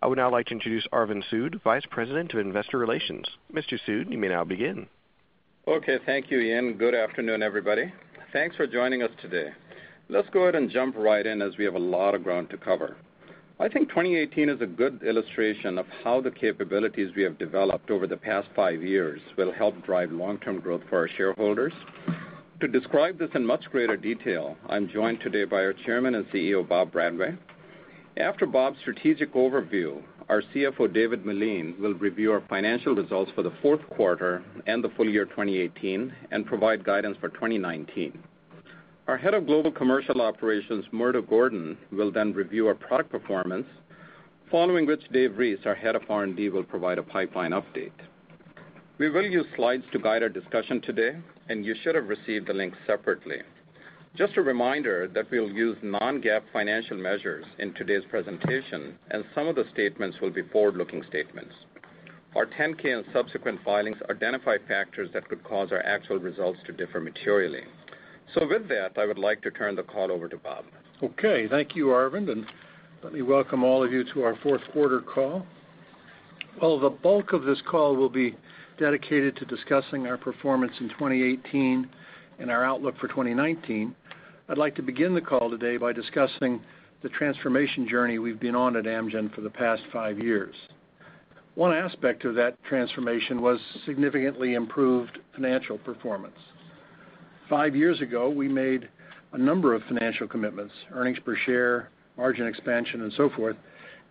I would now like to introduce Arvind Sood, Vice President to Investor Relations. Mr. Sood, you may now begin. Okay. Thank you, Ian. Good afternoon, everybody. Thanks for joining us today. Let's go ahead and jump right in, as we have a lot of ground to cover. I think 2018 is a good illustration of how the capabilities we have developed over the past five years will help drive long-term growth for our shareholders. To describe this in much greater detail, I'm joined today by our Chairman and CEO, Bob Bradway. After Bob's strategic overview, our CFO, David Meline, will review our financial results for the fourth quarter and the full year 2018 and provide guidance for 2019. Our Head of Global Commercial Operations, Murdo Gordon, will then review our product performance. Following which, Dave Reese, our Head of R&D, will provide a pipeline update. We will use slides to guide our discussion today, and you should have received the link separately. Just a reminder that we'll use non-GAAP financial measures in today's presentation, and some of the statements will be forward-looking statements. Our 10-K and subsequent filings identify factors that could cause our actual results to differ materially. With that, I would like to turn the call over to Bob. Okay. Thank you, Arvind, and let me welcome all of you to our fourth quarter call. While the bulk of this call will be dedicated to discussing our performance in 2018 and our outlook for 2019, I'd like to begin the call today by discussing the transformation journey we've been on at Amgen for the past five years. One aspect of that transformation was significantly improved financial performance. Five years ago, we made a number of financial commitments, earnings per share, margin expansion, and so forth,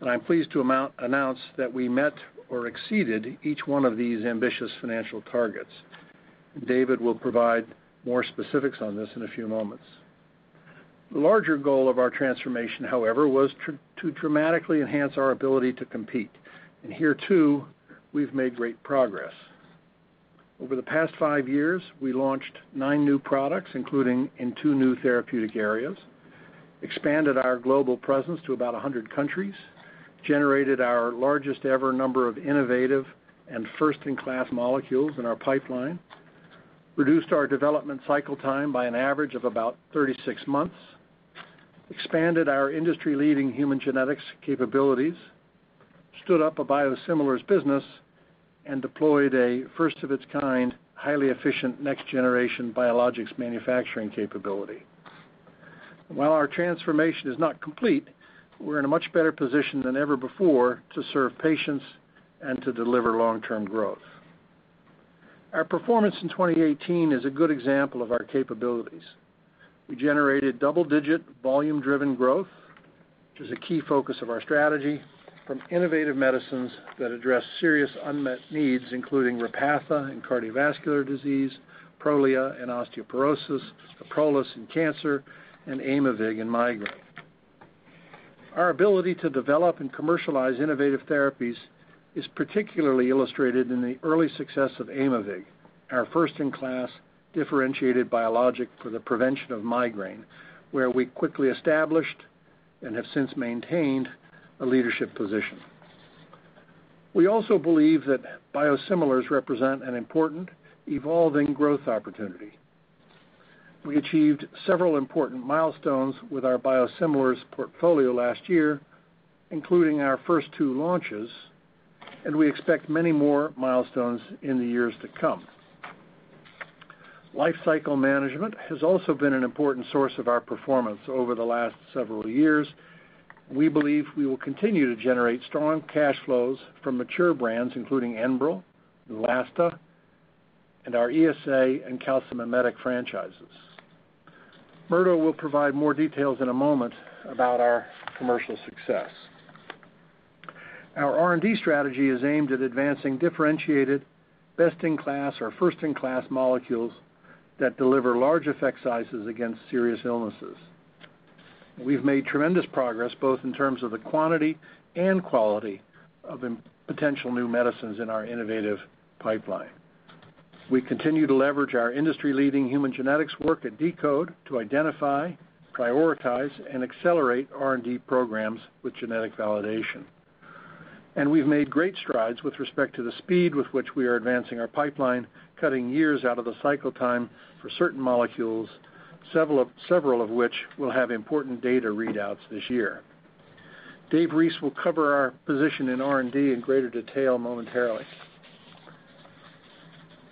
and I'm pleased to announce that we met or exceeded each one of these ambitious financial targets. David will provide more specifics on this in a few moments. The larger goal of our transformation, however, was to dramatically enhance our ability to compete. Here too, we've made great progress. Over the past five years, we launched nine new products, including in two new therapeutic areas, expanded our global presence to about 100 countries, generated our largest ever number of innovative and first-in-class molecules in our pipeline, reduced our development cycle time by an average of about 36 months, expanded our industry-leading human genetics capabilities, stood up a biosimilars business, and deployed a first of its kind, highly efficient next-generation biologics manufacturing capability. While our transformation is not complete, we're in a much better position than ever before to serve patients and to deliver long-term growth. Our performance in 2018 is a good example of our capabilities. We generated double-digit volume-driven growth, which is a key focus of our strategy from innovative medicines that address serious unmet needs, including Repatha in cardiovascular disease, Prolia in osteoporosis, Kyprolis in cancer, and Aimovig in migraine. Our ability to develop and commercialize innovative therapies is particularly illustrated in the early success of Aimovig, our first-in-class differentiated biologic for the prevention of migraine, where we quickly established and have since maintained a leadership position. We also believe that biosimilars represent an important evolving growth opportunity. We achieved several important milestones with our biosimilars portfolio last year, including our first two launches, and we expect many more milestones in the years to come. Life cycle management has also been an important source of our performance over the last several years. We believe we will continue to generate strong cash flows from mature brands, including Enbrel, Neulasta, and our ESA and calcimimetic franchises. Murdo will provide more details in a moment about our commercial success. Our R&D strategy is aimed at advancing differentiated, best-in-class or first-in-class molecules that deliver large effect sizes against serious illnesses. We've made tremendous progress, both in terms of the quantity and quality of potential new medicines in our innovative pipeline. We continue to leverage our industry-leading human genetics work at deCODE to identify, prioritize, and accelerate R&D programs with genetic validation. We've made great strides with respect to the speed with which we are advancing our pipeline, cutting years out of the cycle time for certain molecules, several of which will have important data readouts this year. Dave Reese will cover our position in R&D in greater detail momentarily.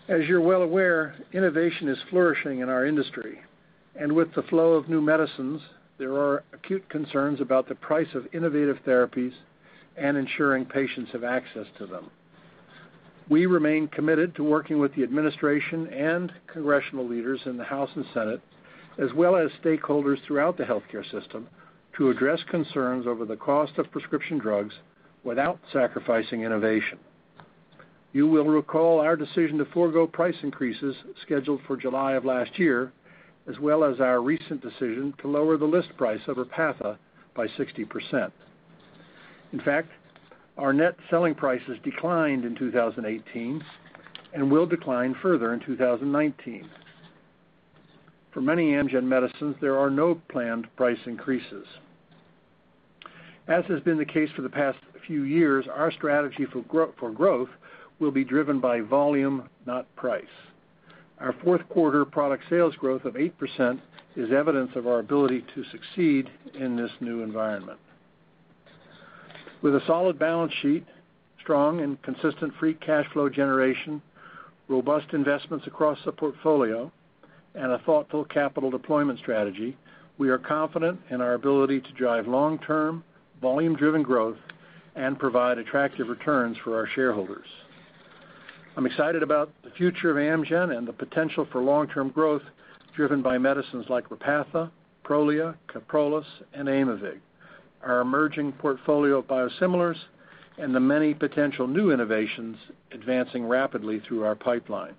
As you're well aware, innovation is flourishing in our industry, and with the flow of new medicines, there are acute concerns about the price of innovative therapies and ensuring patients have access to them. We remain committed to working with the administration and congressional leaders in the House and Senate, as well as stakeholders throughout the healthcare system, to address concerns over the cost of prescription drugs without sacrificing innovation. You will recall our decision to forego price increases scheduled for July of last year, as well as our recent decision to lower the list price of Repatha by 60%. In fact, our net selling prices declined in 2018 and will decline further in 2019. For many Amgen medicines, there are no planned price increases. As has been the case for the past few years, our strategy for growth will be driven by volume, not price. Our fourth quarter product sales growth of 8% is evidence of our ability to succeed in this new environment. With a solid balance sheet, strong and consistent free cash flow generation, robust investments across the portfolio, and a thoughtful capital deployment strategy, we are confident in our ability to drive long-term, volume-driven growth and provide attractive returns for our shareholders. I'm excited about the future of Amgen and the potential for long-term growth driven by medicines like Repatha, Prolia, Kyprolis, and Aimovig, our emerging portfolio of biosimilars, and the many potential new innovations advancing rapidly through our pipeline.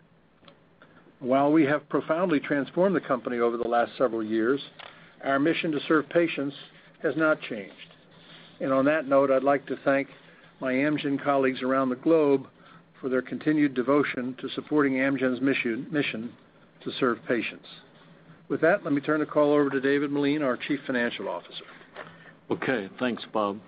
While we have profoundly transformed the company over the last several years, our mission to serve patients has not changed. On that note, I'd like to thank my Amgen colleagues around the globe for their continued devotion to supporting Amgen's mission to serve patients. With that, let me turn the call over to David Meline, our chief financial officer. Okay, thanks, Bob.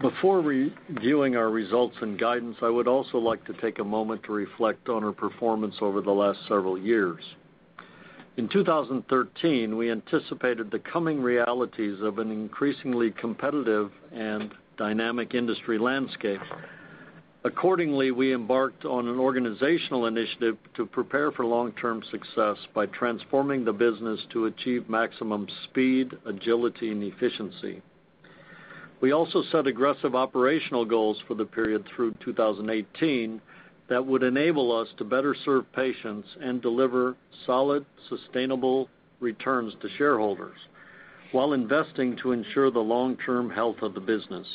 Before reviewing our results and guidance, I would also like to take a moment to reflect on our performance over the last several years. In 2013, we anticipated the coming realities of an increasingly competitive and dynamic industry landscape. Accordingly, we embarked on an organizational initiative to prepare for long-term success by transforming the business to achieve maximum speed, agility, and efficiency. We also set aggressive operational goals for the period through 2018 that would enable us to better serve patients and deliver solid, sustainable returns to shareholders while investing to ensure the long-term health of the business.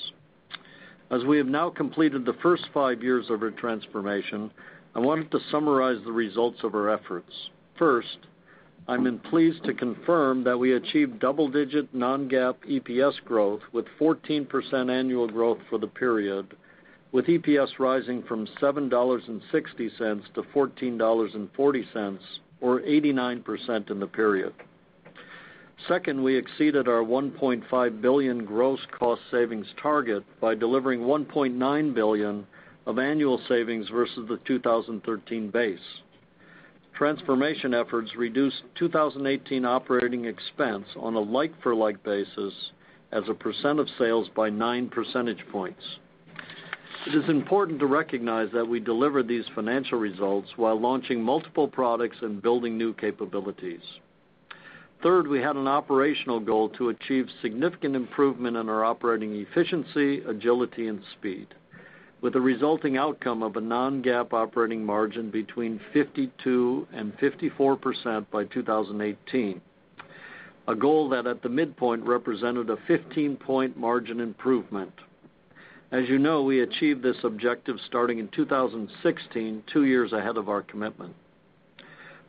As we have now completed the first five years of our transformation, I wanted to summarize the results of our efforts. First, I'm pleased to confirm that we achieved double-digit non-GAAP EPS growth with 14% annual growth for the period, with EPS rising from $7.60 to $14.40, or 89% in the period. Second, we exceeded our $1.5 billion gross cost savings target by delivering $1.9 billion of annual savings versus the 2013 base. Transformation efforts reduced 2018 operating expense on a like-for-like basis as a percent of sales by nine percentage points. It is important to recognize that we delivered these financial results while launching multiple products and building new capabilities. Third, we had an operational goal to achieve significant improvement in our operating efficiency, agility, and speed, with a resulting outcome of a non-GAAP operating margin between 52%-54% by 2018. A goal that at the midpoint represented a 15-point margin improvement. As you know, we achieved this objective starting in 2016, two years ahead of our commitment.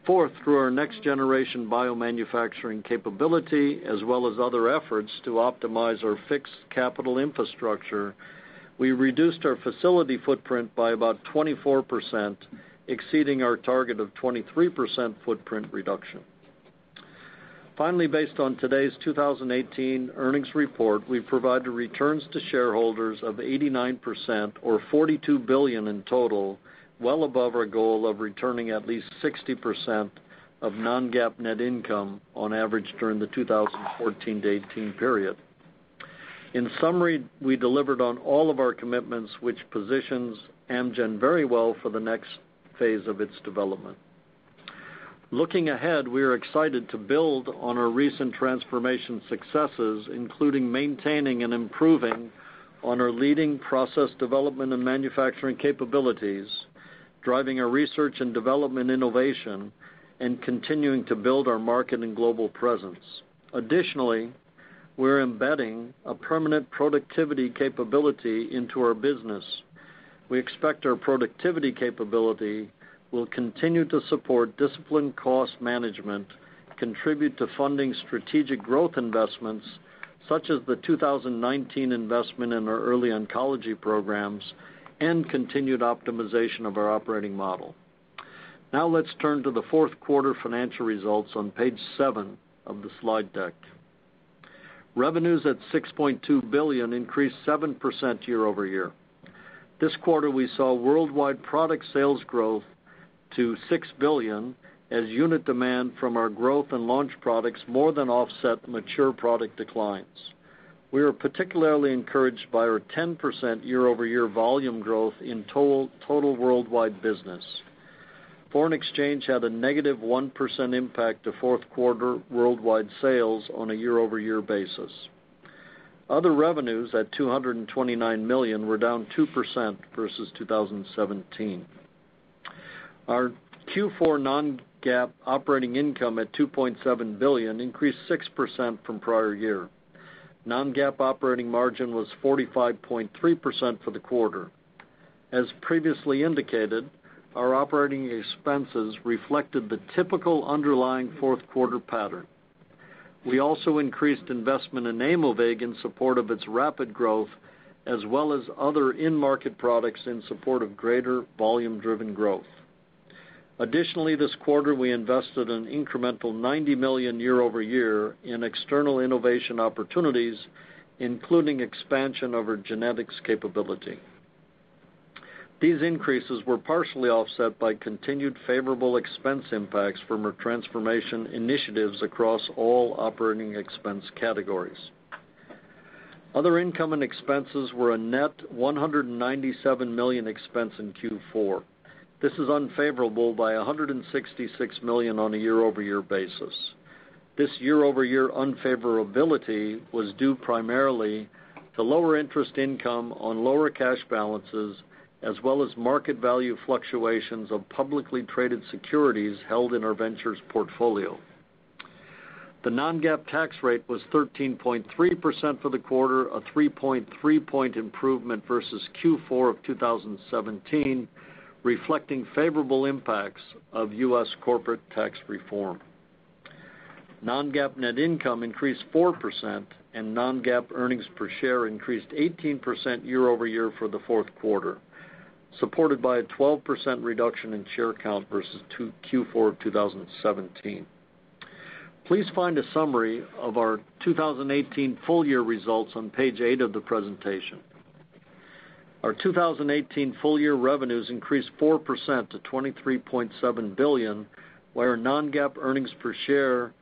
Fourth, through our next-generation biomanufacturing capability, as well as other efforts to optimize our fixed capital infrastructure, we reduced our facility footprint by about 24%, exceeding our target of 23% footprint reduction. Finally, based on today's 2018 earnings report, we provided returns to shareholders of 89%, or $42 billion in total, well above our goal of returning at least 60% of non-GAAP net income on average during the 2014 to 2018 period. In summary, we delivered on all of our commitments, which positions Amgen very well for the next phase of its development. Looking ahead, we are excited to build on our recent transformation successes, including maintaining and improving on our leading process development and manufacturing capabilities, driving our research and development innovation, and continuing to build our market and global presence. Additionally, we're embedding a permanent productivity capability into our business. We expect our productivity capability will continue to support disciplined cost management, contribute to funding strategic growth investments, such as the 2019 investment in our early oncology programs, and continued optimization of our operating model. Now let's turn to the fourth quarter financial results on page seven of the slide deck. Revenues at $6.2 billion increased 7% year-over-year. This quarter, we saw worldwide product sales growth to $6 billion as unit demand from our growth and launch products more than offset mature product declines. We are particularly encouraged by our 10% year-over-year volume growth in total worldwide business. Foreign exchange had a negative 1% impact to fourth quarter worldwide sales on a year-over-year basis. Other revenues at $229 million were down 2% versus 2017. Our Q4 non-GAAP operating income at $2.7 billion increased 6% from prior year. Non-GAAP operating margin was 45.3% for the quarter. As previously indicated, our operating expenses reflected the typical underlying fourth quarter pattern. We also increased investment in Aimovig in support of its rapid growth, as well as other in-market products in support of greater volume-driven growth. Additionally, this quarter, we invested an incremental $90 million year-over-year in external innovation opportunities, including expansion of our genetics capability. These increases were partially offset by continued favorable expense impacts from our transformation initiatives across all operating expense categories. Other income and expenses were a net $197 million expense in Q4. This is unfavorable by $166 million on a year-over-year basis. This year-over-year unfavorability was due primarily to lower interest income on lower cash balances, as well as market value fluctuations of publicly traded securities held in our ventures portfolio. The non-GAAP tax rate was 13.3% for the quarter, a 3.3-point improvement versus Q4 of 2017, reflecting favorable impacts of U.S. corporate tax reform. Non-GAAP net income increased 4%, and non-GAAP earnings per share increased 18% year-over-year for the fourth quarter, supported by a 12% reduction in share count versus Q4 2017. Please find a summary of our 2018 full year results on page eight of the presentation. Our 2018 full year revenues increased 4% to $23.7 billion, where non-GAAP earnings per share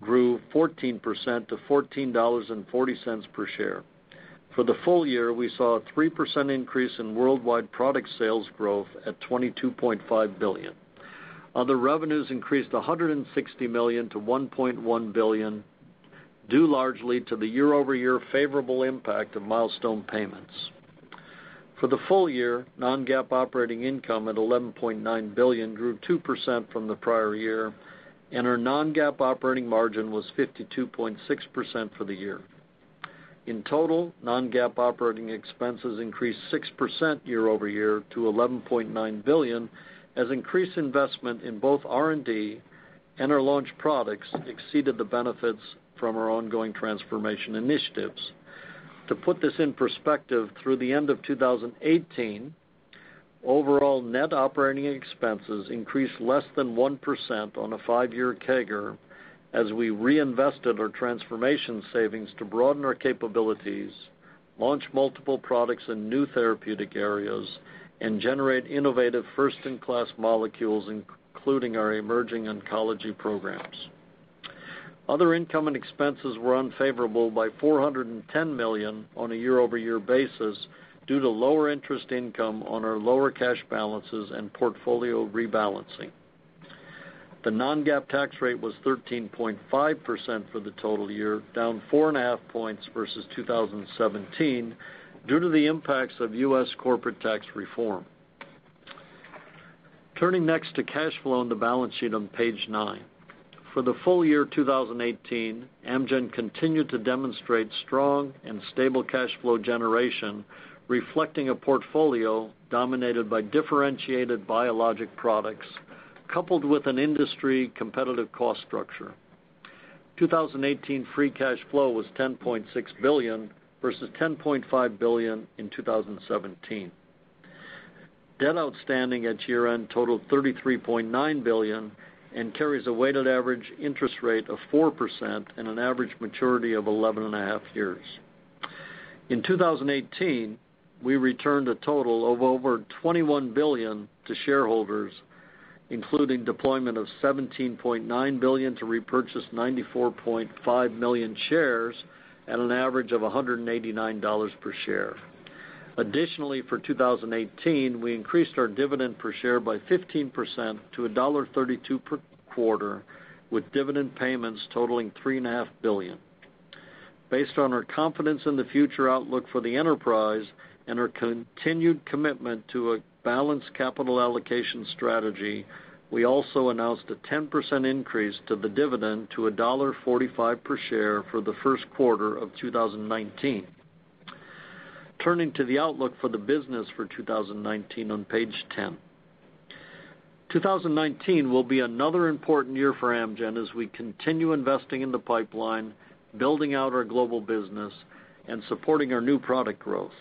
grew 14% to $14.40 per share. For the full year, we saw a 3% increase in worldwide product sales growth at $22.5 billion. Other revenues increased $160 million to $1.1 billion, due largely to the year-over-year favorable impact of milestone payments. For the full year, non-GAAP operating income at $11.9 billion grew 2% from the prior year, and our non-GAAP operating margin was 52.6% for the year. In total, non-GAAP operating expenses increased 6% year-over-year to $11.9 billion as increased investment in both R&D and our launch products exceeded the benefits from our ongoing transformation initiatives. To put this in perspective, through the end of 2018, overall net operating expenses increased less than 1% on a five-year CAGR as we reinvested our transformation savings to broaden our capabilities, launch multiple products in new therapeutic areas, and generate innovative first-in-class molecules, including our emerging oncology programs. Other income and expenses were unfavorable by $410 million on a year-over-year basis due to lower interest income on our lower cash balances and portfolio rebalancing. The non-GAAP tax rate was 13.5% for the total year, down four and a half points versus 2017 due to the impacts of U.S. corporate tax reform. Turning next to cash flow on the balance sheet on page nine. For the full year 2018, Amgen continued to demonstrate strong and stable cash flow generation, reflecting a portfolio dominated by differentiated biologic products, coupled with an industry competitive cost structure. 2018 free cash flow was $10.6 billion versus $10.5 billion in 2017. Debt outstanding at year-end totaled $33.9 billion and carries a weighted average interest rate of 4% and an average maturity of 11.5 years. In 2018, we returned a total of over $21 billion to shareholders, including deployment of $17.9 billion to repurchase 94.5 million shares at an average of $189 per share. Additionally, for 2018, we increased our dividend per share by 15% to $1.32 per quarter, with dividend payments totaling $3.5 billion. Based on our confidence in the future outlook for the enterprise and our continued commitment to a balanced capital allocation strategy, we also announced a 10% increase to the dividend to $1.45 per share for the first quarter of 2019. Turning to the outlook for the business for 2019 on page 10. 2019 will be another important year for Amgen as we continue investing in the pipeline, building out our global business and supporting our new product growth.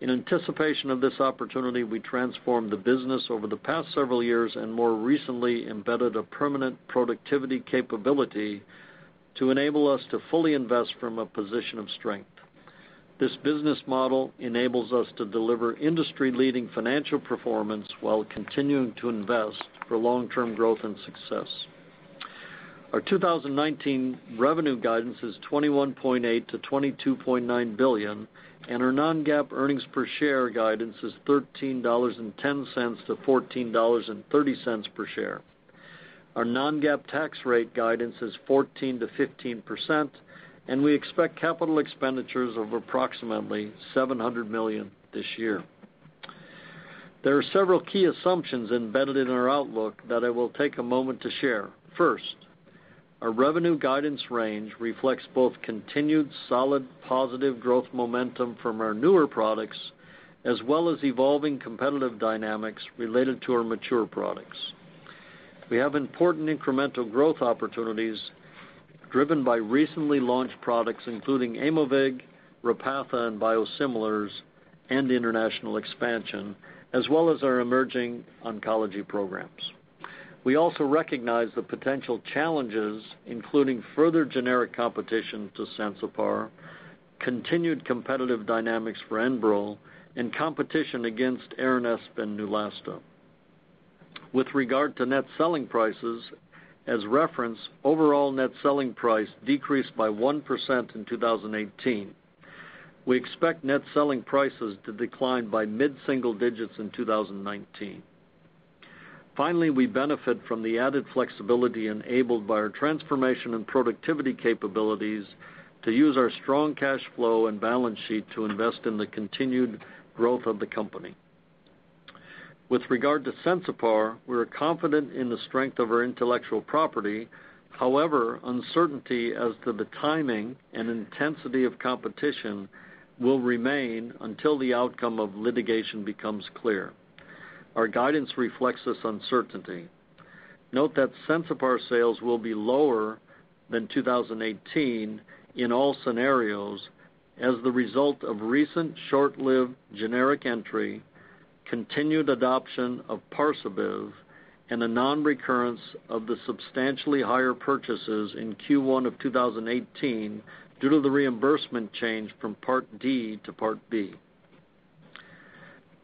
In anticipation of this opportunity, we transformed the business over the past several years and more recently embedded a permanent productivity capability to enable us to fully invest from a position of strength. This business model enables us to deliver industry-leading financial performance while continuing to invest for long-term growth and success. Our 2019 revenue guidance is $21.8 billion-$22.9 billion and our non-GAAP earnings per share guidance is $13.10-$14.30 per share. Our non-GAAP tax rate guidance is 14%-15%, and we expect capital expenditures of approximately $700 million this year. There are several key assumptions embedded in our outlook that I will take a moment to share. First, our revenue guidance range reflects both continued solid, positive growth momentum from our newer products, as well as evolving competitive dynamics related to our mature products. We have important incremental growth opportunities driven by recently launched products including Aimovig, Repatha and biosimilars and international expansion, as well as our emerging oncology programs. We also recognize the potential challenges, including further generic competition to Sensipar, continued competitive dynamics for Enbrel, and competition against Aranesp and Neulasta. With regard to net selling prices, as referenced, overall net selling price decreased by 1% in 2018. We expect net selling prices to decline by mid-single digits in 2019. Finally, we benefit from the added flexibility enabled by our transformation and productivity capabilities to use our strong cash flow and balance sheet to invest in the continued growth of the company. With regard to Sensipar, we are confident in the strength of our intellectual property. However, uncertainty as to the timing and intensity of competition will remain until the outcome of litigation becomes clear. Our guidance reflects this uncertainty. Note that Sensipar sales will be lower than 2018 in all scenarios as the result of recent short-lived generic entry, continued adoption of Parsabiv, and the non-recurrence of the substantially higher purchases in Q1 of 2018 due to the reimbursement change from Part D to Part B.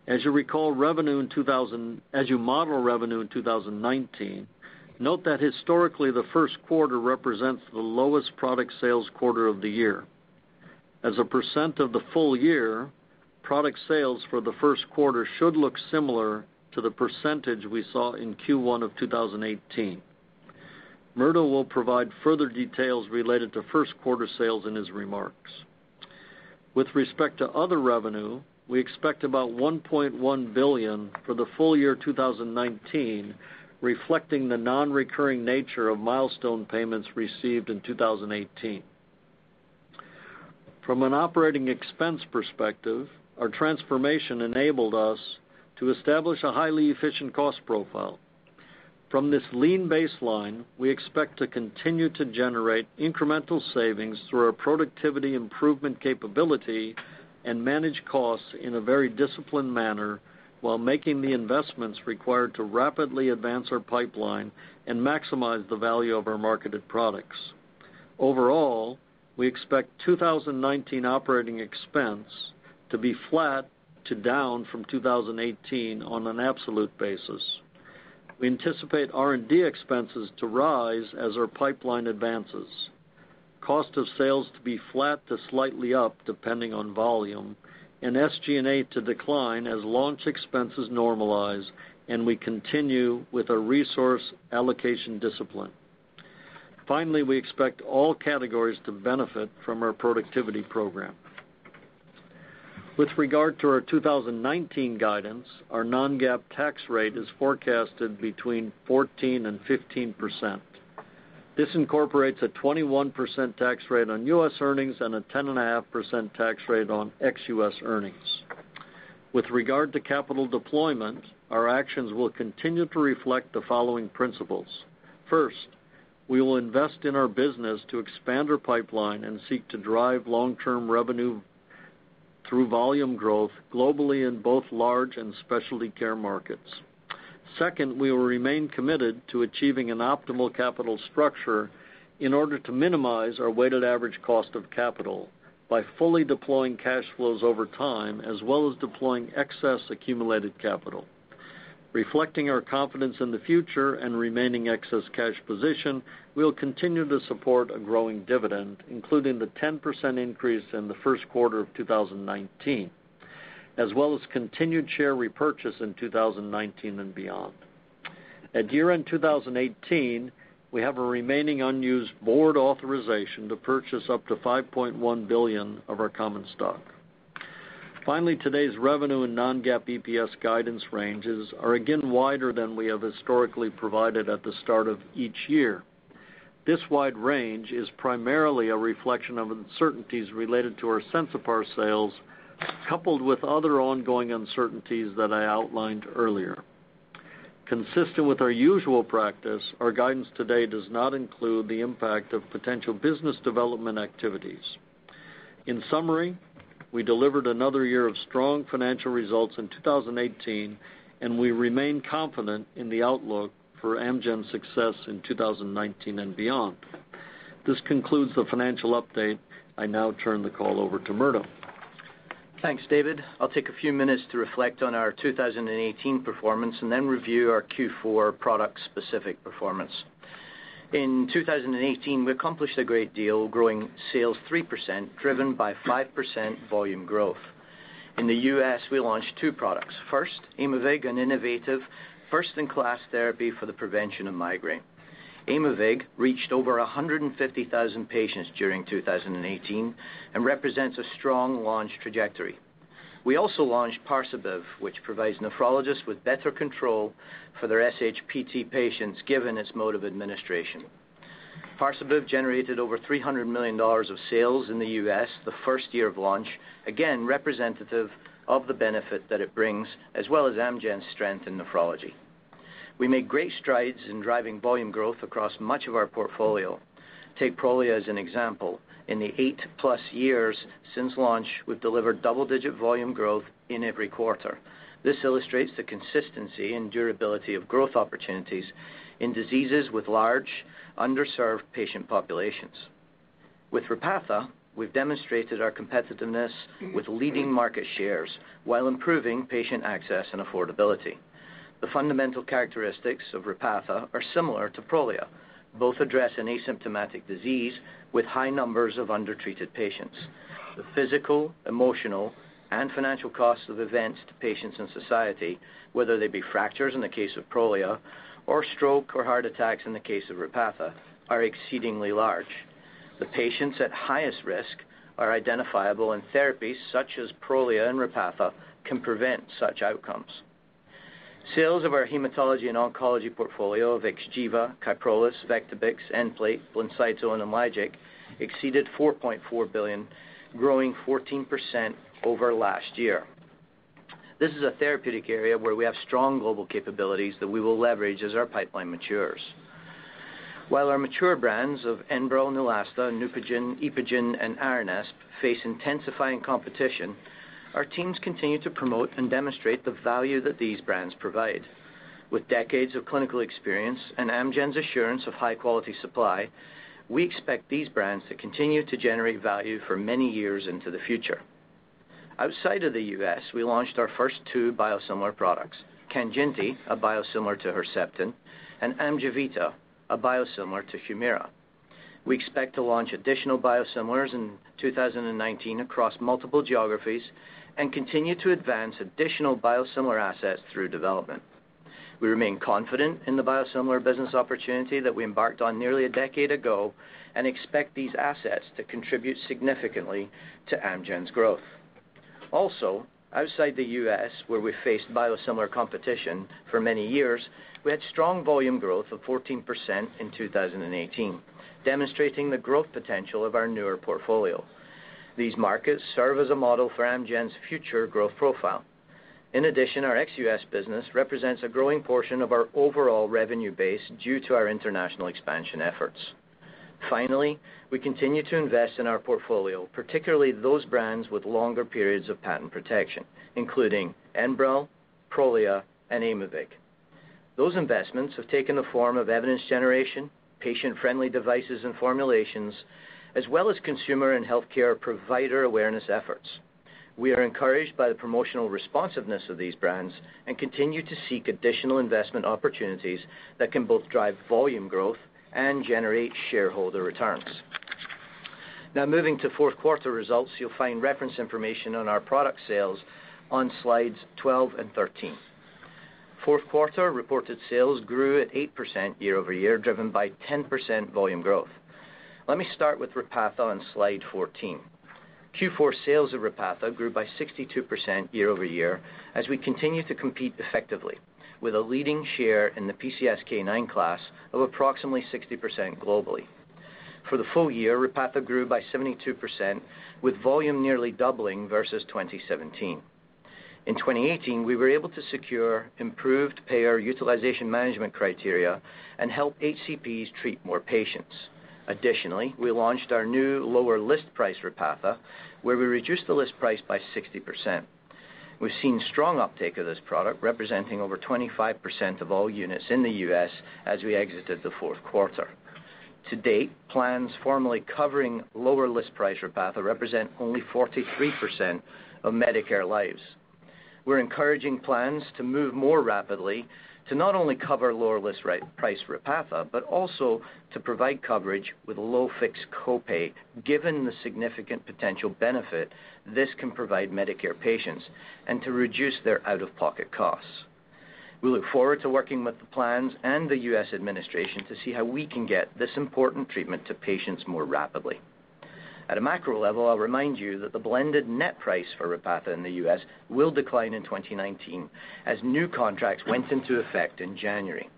As you model revenue in 2019, note that historically, the first quarter represents the lowest product sales quarter of the year. As a percent of the full year, product sales for the first quarter should look similar to the percentage we saw in Q1 of 2018. Murdo will provide further details related to first-quarter sales in his remarks. With respect to other revenue, we expect about $1.1 billion for the full year 2019, reflecting the non-recurring nature of milestone payments received in 2018. From an operating expense perspective, our transformation enabled us to establish a highly efficient cost profile. From this lean baseline, we expect to continue to generate incremental savings through our productivity improvement capability and manage costs in a very disciplined manner while making the investments required to rapidly advance our pipeline and maximize the value of our marketed products. Overall, we expect 2019 operating expense to be flat to down from 2018 on an absolute basis. We anticipate R&D expenses to rise as our pipeline advances, cost of sales to be flat to slightly up, depending on volume, SG&A to decline as launch expenses normalize, and we continue with our resource allocation discipline. Finally, we expect all categories to benefit from our productivity program. With regard to our 2019 guidance, our non-GAAP tax rate is forecasted between 14% and 15%. This incorporates a 21% tax rate on U.S. earnings and a 10.5% tax rate on ex-U.S. earnings. With regard to capital deployment, our actions will continue to reflect the following principles. First, we will invest in our business to expand our pipeline and seek to drive long-term revenue through volume growth globally in both large and specialty care markets. Second, we will remain committed to achieving an optimal capital structure in order to minimize our weighted average cost of capital by fully deploying cash flows over time, as well as deploying excess accumulated capital. Reflecting our confidence in the future and remaining excess cash position, we will continue to support a growing dividend, including the 10% increase in the first quarter of 2019, as well as continued share repurchase in 2019 and beyond. At year-end 2018, we have a remaining unused board authorization to purchase up to $5.1 billion of our common stock. Finally, today's revenue and non-GAAP EPS guidance ranges are again wider than we have historically provided at the start of each year. This wide range is primarily a reflection of uncertainties related to our Sensipar sales, coupled with other ongoing uncertainties that I outlined earlier. Consistent with our usual practice, our guidance today does not include the impact of potential business development activities. In summary, we delivered another year of strong financial results in 2018. We remain confident in the outlook for Amgen's success in 2019 and beyond. This concludes the financial update. I now turn the call over to Murdo. Thanks, David. I'll take a few minutes to reflect on our 2018 performance and then review our Q4 product-specific performance. In 2018, we accomplished a great deal, growing sales 3%, driven by 5% volume growth. In the U.S., we launched two products. First, Aimovig, an innovative, first-in-class therapy for the prevention of migraine. Aimovig reached over 150,000 patients during 2018 and represents a strong launch trajectory. We also launched Parsabiv, which provides nephrologists with better control for their SHPT patients, given its mode of administration. Parsabiv generated over $300 million of sales in the U.S. the first year of launch, again, representative of the benefit that it brings, as well as Amgen's strength in nephrology. We made great strides in driving volume growth across much of our portfolio. Take Prolia as an example. In the eight-plus years since launch, we've delivered double-digit volume growth in every quarter. This illustrates the consistency and durability of growth opportunities in diseases with large underserved patient populations. With Repatha, we've demonstrated our competitiveness with leading market shares while improving patient access and affordability. The fundamental characteristics of Repatha are similar to Prolia, both address an asymptomatic disease with high numbers of undertreated patients. The physical, emotional, and financial costs of events to patients in society, whether they be fractures in the case of Prolia or stroke or heart attacks in the case of Repatha, are exceedingly large. The patients at highest risk are identifiable, and therapies such as Prolia and Repatha can prevent such outcomes. Sales of our hematology and oncology portfolio of X, Kyprolis, Vectibix, Nplate, BLYNCYTO, and IMLYGIC exceeded $4.4 billion, growing 14% over last year. This is a therapeutic area where we have strong global capabilities that we will leverage as our pipeline matures. While our mature brands of Enbrel, and Neulasta, Neupogen, Epogen, and Aranesp face intensifying competition, our teams continue to promote and demonstrate the value that these brands provide. With decades of clinical experience and Amgen's assurance of high-quality supply, we expect these brands to continue to generate value for many years into the future. Outside of the U.S., we launched our first two biosimilar products, KANJINTI, a biosimilar to Herceptin, and AMJEVITA, a biosimilar to HUMIRA. We expect to launch additional biosimilars in 2019 across multiple geographies and continue to advance additional biosimilar assets through development. We remain confident in the biosimilar business opportunity that we embarked on nearly a decade ago and expect these assets to contribute significantly to Amgen's growth. Also, outside the U.S., where we faced biosimilar competition for many years, we had strong volume growth of 14% in 2018, demonstrating the growth potential of our newer portfolio. These markets serve as a model for Amgen's future growth profile. In addition, our ex-U.S. business represents a growing portion of our overall revenue base due to our international expansion efforts. Finally, we continue to invest in our portfolio, particularly those brands with longer periods of patent protection, including Enbrel, Prolia, and Aimovig. Those investments have taken the form of evidence generation, patient-friendly devices and formulations, as well as consumer and healthcare provider awareness efforts. We are encouraged by the promotional responsiveness of these brands and continue to seek additional investment opportunities that can both drive volume growth and generate shareholder returns. Now moving to fourth quarter results, you'll find reference information on our product sales on slides 12 and 13. Fourth quarter reported sales grew at 8% year-over-year, driven by 10% volume growth. Let me start with Repatha on slide 14. Q4 sales of Repatha grew by 62% year over year, as we continue to compete effectively, with a leading share in the PCSK9 class of approximately 60% globally. For the full year, Repatha grew by 72%, with volume nearly doubling versus 2017. In 2018, we were able to secure improved payer utilization management criteria and help HCPs treat more patients. Additionally, we launched our new lower list price Repatha, where we reduced the list price by 60%. We've seen strong uptake of this product, representing over 25% of all units in the U.S. as we exited the fourth quarter. To date, plans formally covering lower list price Repatha represent only 43% of Medicare lives. We're encouraging plans to move more rapidly to not only cover lower list price Repatha, but also to provide coverage with a low fixed copay, given the significant potential benefit this can provide Medicare patients and to reduce their out-of-pocket costs. We look forward to working with the plans and the U.S. administration to see how we can get this important treatment to patients more rapidly. At a macro level, I'll remind you that the blended net price for Repatha in the U.S. will decline in 2019 as new contracts went into effect in January.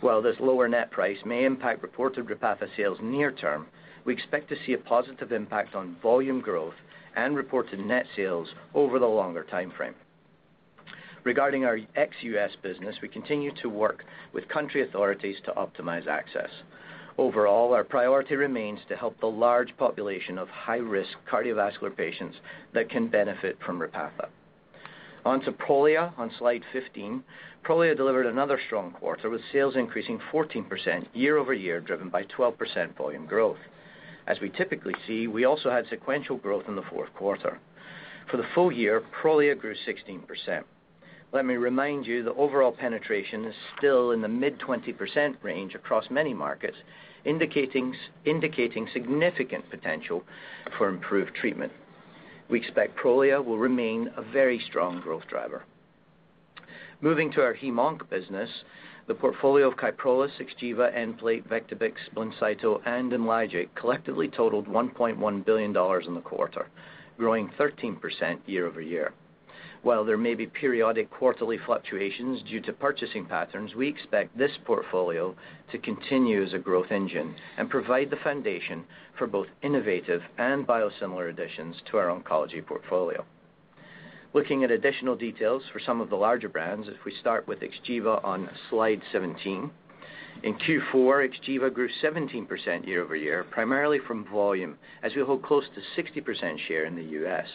While this lower net price may impact reported Repatha sales near term, we expect to see a positive impact on volume growth and reported net sales over the longer timeframe. Regarding our ex-U.S. business, we continue to work with country authorities to optimize access. Overall, our priority remains to help the large population of high-risk cardiovascular patients that can benefit from Repatha. On to Prolia on slide 15. Prolia delivered another strong quarter with sales increasing 14% year over year, driven by 12% volume growth. As we typically see, we also had sequential growth in the fourth quarter. For the full year, Prolia grew 16%. Let me remind you that overall penetration is still in the mid-20% range across many markets, indicating significant potential for improved treatment. We expect Prolia will remain a very strong growth driver. Moving to our hem-onc business, the portfolio of Kyprolis, XGEVA, Nplate, Vectibix, BLINCYTO, and IMLYGIC collectively totaled $1.1 billion in the quarter, growing 13% year over year. While there may be periodic quarterly fluctuations due to purchasing patterns, we expect this portfolio to continue as a growth engine and provide the foundation for both innovative and biosimilar additions to our oncology portfolio. Looking at additional details for some of the larger brands, if we start with XGEVA on slide 17. In Q4, XGEVA grew 17% year over year, primarily from volume, as we hold close to 60% share in the U.S.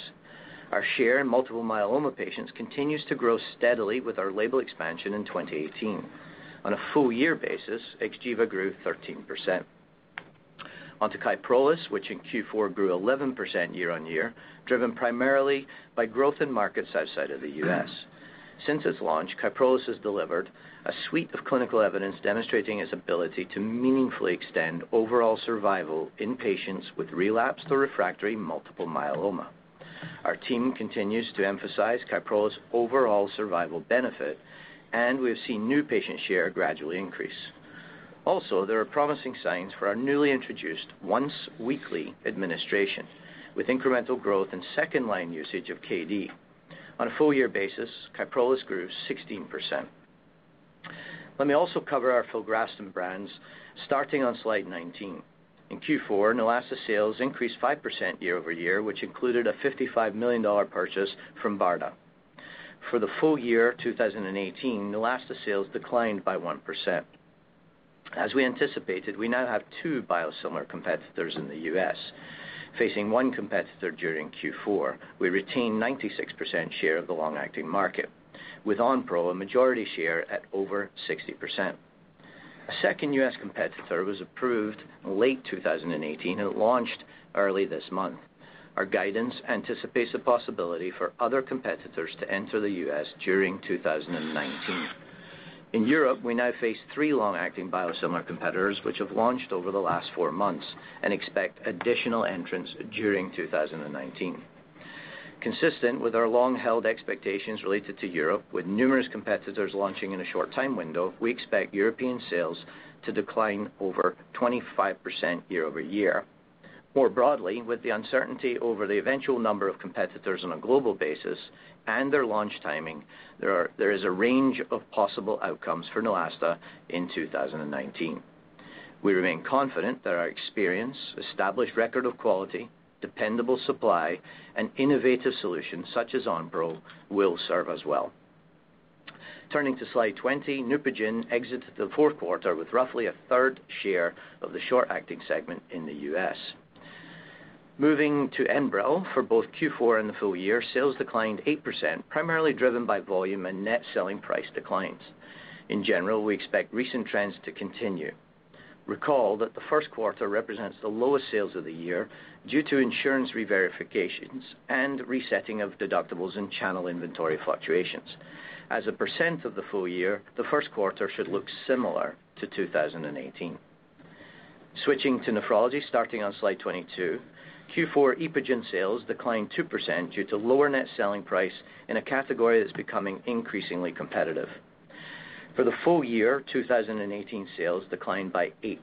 Our share in multiple myeloma patients continues to grow steadily with our label expansion in 2018. On a full year basis, XGEVA grew 13%. On to Kyprolis, which in Q4 grew 11% year-on-year, driven primarily by growth in markets outside of the U.S. Since its launch, Kyprolis has delivered a suite of clinical evidence demonstrating its ability to meaningfully extend overall survival in patients with relapsed or refractory multiple myeloma. Our team continues to emphasize Kyprolis' overall survival benefit, and we've seen new patient share gradually increase. Also, there are promising signs for our newly introduced once-weekly administration, with incremental growth in second-line usage of KD. On a full year basis, Kyprolis grew 16%. Let me also cover our filgrastim brands, starting on slide 19. In Q4, Neulasta sales increased 5% year-over-year, which included a $55 million purchase from BARDA. For the full year 2018, Neulasta sales declined by 1%. As we anticipated, we now have two biosimilar competitors in the U.S. Facing one competitor during Q4, we retained 96% share of the long-acting market, with Onpro a majority share at over 60%. A second U.S. competitor was approved late 2018, and it launched early this month. Our guidance anticipates the possibility for other competitors to enter the U.S. during 2019. In Europe, we now face three long-acting biosimilar competitors, which have launched over the last four months, and expect additional entrants during 2019. Consistent with our long-held expectations related to Europe, with numerous competitors launching in a short time window, we expect European sales to decline over 25% year-over-year. More broadly, with the uncertainty over the eventual number of competitors on a global basis and their launch timing, there is a range of possible outcomes for Neulasta in 2019. We remain confident that our experience, established record of quality, dependable supply, and innovative solutions such as Onpro will serve us well. Turning to slide 20, Neupogen exited the fourth quarter with roughly a third share of the short-acting segment in the U.S. Moving to Enbrel, for both Q4 and the full year, sales declined 8%, primarily driven by volume and net selling price declines. In general, we expect recent trends to continue. Recall that the first quarter represents the lowest sales of the year due to insurance reverifications and resetting of deductibles and channel inventory fluctuations. As a percent of the full year, the first quarter should look similar to 2018. Switching to nephrology, starting on slide 22, Q4 EPOGEN sales declined 2% due to lower net selling price in a category that's becoming increasingly competitive. For the full year 2018, sales declined by 8%.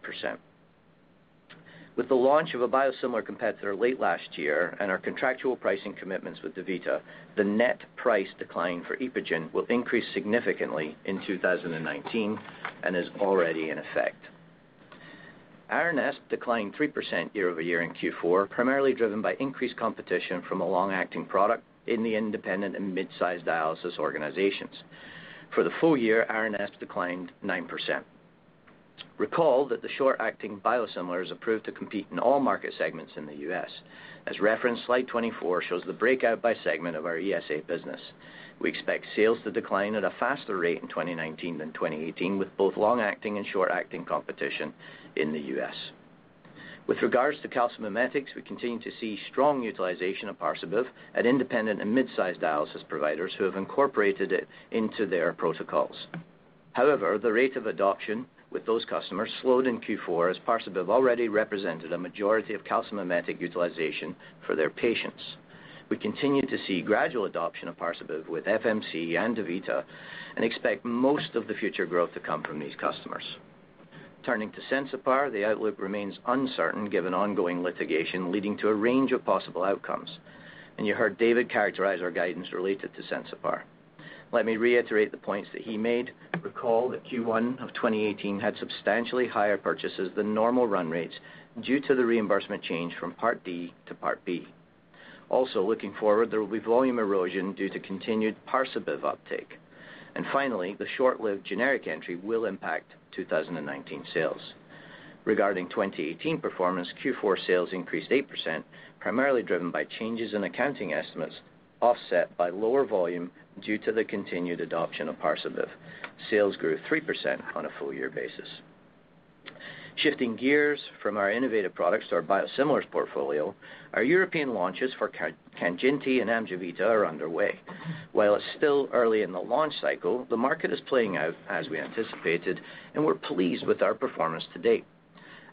With the launch of a biosimilar competitor late last year and our contractual pricing commitments with DaVita, the net price decline for EPOGEN will increase significantly in 2019 and is already in effect. Aranesp declined 3% year-over-year in Q4, primarily driven by increased competition from a long-acting product in the independent and mid-size dialysis organizations. For the full year, Aranesp declined 9%. Recall that the short-acting biosimilar is approved to compete in all market segments in the U.S. As referenced, slide 24 shows the breakout by segment of our ESA business. We expect sales to decline at a faster rate in 2019 than 2018 with both long-acting and short-acting competition in the U.S. With regards to calcimimetics, we continue to see strong utilization of Parsabiv at independent and mid-size dialysis providers who have incorporated it into their protocols. However, the rate of adoption with those customers slowed in Q4, as Parsabiv already represented a majority of calcimimetic utilization for their patients. We continue to see gradual adoption of Parsabiv with FMC and DaVita and expect most of the future growth to come from these customers. Turning to Sensipar, the outlook remains uncertain given ongoing litigation leading to a range of possible outcomes, and you heard David characterize our guidance related to Sensipar. Let me reiterate the points that he made. Recall that Q1 of 2018 had substantially higher purchases than normal run rates due to the reimbursement change from Part D to Part B. Looking forward, there will be volume erosion due to continued Parsabiv uptake. Finally, the short-lived generic entry will impact 2019 sales. Regarding 2018 performance, Q4 sales increased 8%, primarily driven by changes in accounting estimates, offset by lower volume due to the continued adoption of Parsabiv. Sales grew 3% on a full year basis. Shifting gears from our innovative products to our biosimilars portfolio, our European launches for KANJINTI and AMGEVITA are underway. While it's still early in the launch cycle, the market is playing out as we anticipated, and we're pleased with our performance to date.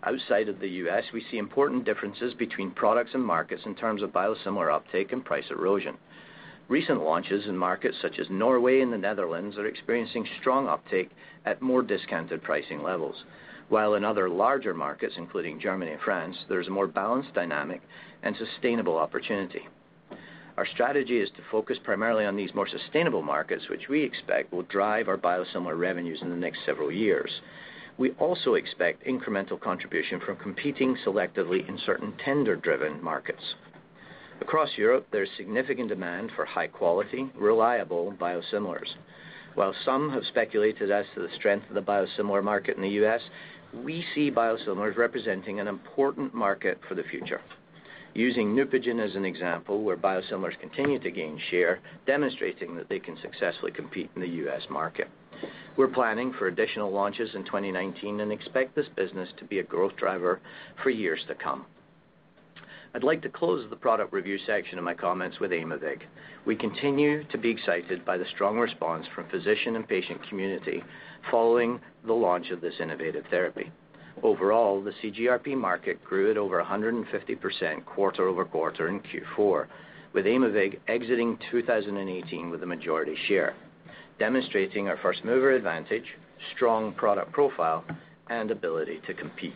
Outside of the U.S., we see important differences between products and markets in terms of biosimilar uptake and price erosion. Recent launches in markets such as Norway and the Netherlands are experiencing strong uptake at more discounted pricing levels, while in other larger markets, including Germany and France, there is a more balanced dynamic and sustainable opportunity. Our strategy is to focus primarily on these more sustainable markets, which we expect will drive our biosimilar revenues in the next several years. We also expect incremental contribution from competing selectively in certain tender-driven markets. Across Europe, there is significant demand for high-quality, reliable biosimilars. While some have speculated as to the strength of the biosimilar market in the U.S., we see biosimilars representing an important market for the future. Using Neupogen as an example, where biosimilars continue to gain share, demonstrating that they can successfully compete in the U.S. market. We're planning for additional launches in 2019 and expect this business to be a growth driver for years to come. I'd like to close the product review section of my comments with Aimovig. We continue to be excited by the strong response from physician and patient community following the launch of this innovative therapy. Overall, the CGRP market grew at over 150% quarter-over-quarter in Q4, with Aimovig exiting 2018 with a majority share, demonstrating our first-mover advantage, strong product profile, and ability to compete.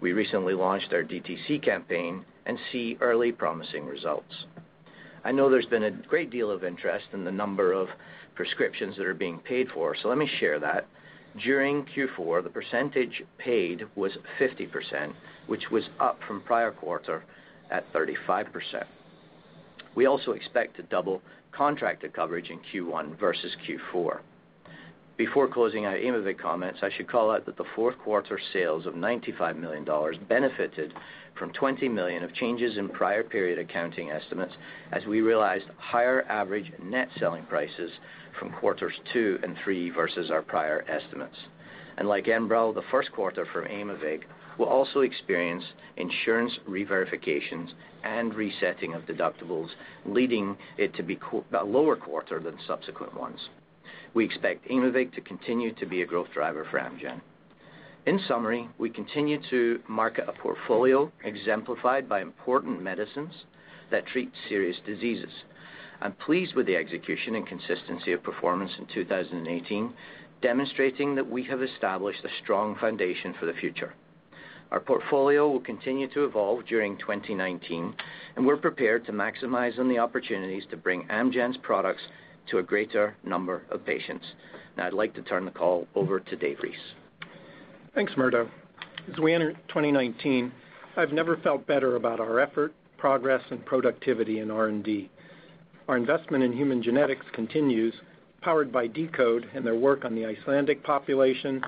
We recently launched our DTC campaign and see early promising results. I know there's been a great deal of interest in the number of prescriptions that are being paid for, so let me share that. During Q4, the percentage paid was 50%, which was up from prior quarter at 35%. We also expect to double contracted coverage in Q1 versus Q4. Before closing our Aimovig comments, I should call out that the fourth quarter sales of $95 million benefited from $20 million of changes in prior period accounting estimates, as we realized higher average net selling prices from quarters two and three versus our prior estimates. Like Enbrel, the first quarter for Aimovig will also experience insurance reverifications and resetting of deductibles, leading it to be a lower quarter than subsequent ones. We expect Aimovig to continue to be a growth driver for Amgen. In summary, we continue to market a portfolio exemplified by important medicines that treat serious diseases. I'm pleased with the execution and consistency of performance in 2018, demonstrating that we have established a strong foundation for the future. Our portfolio will continue to evolve during 2019, and we're prepared to maximize on the opportunities to bring Amgen's products to a greater number of patients. Now I'd like to turn the call over to Dave Reese. Thanks, Murdo. As we enter 2019, I've never felt better about our effort, progress, and productivity in R&D. Our investment in human genetics continues, powered by deCODE and their work on the Icelandic population,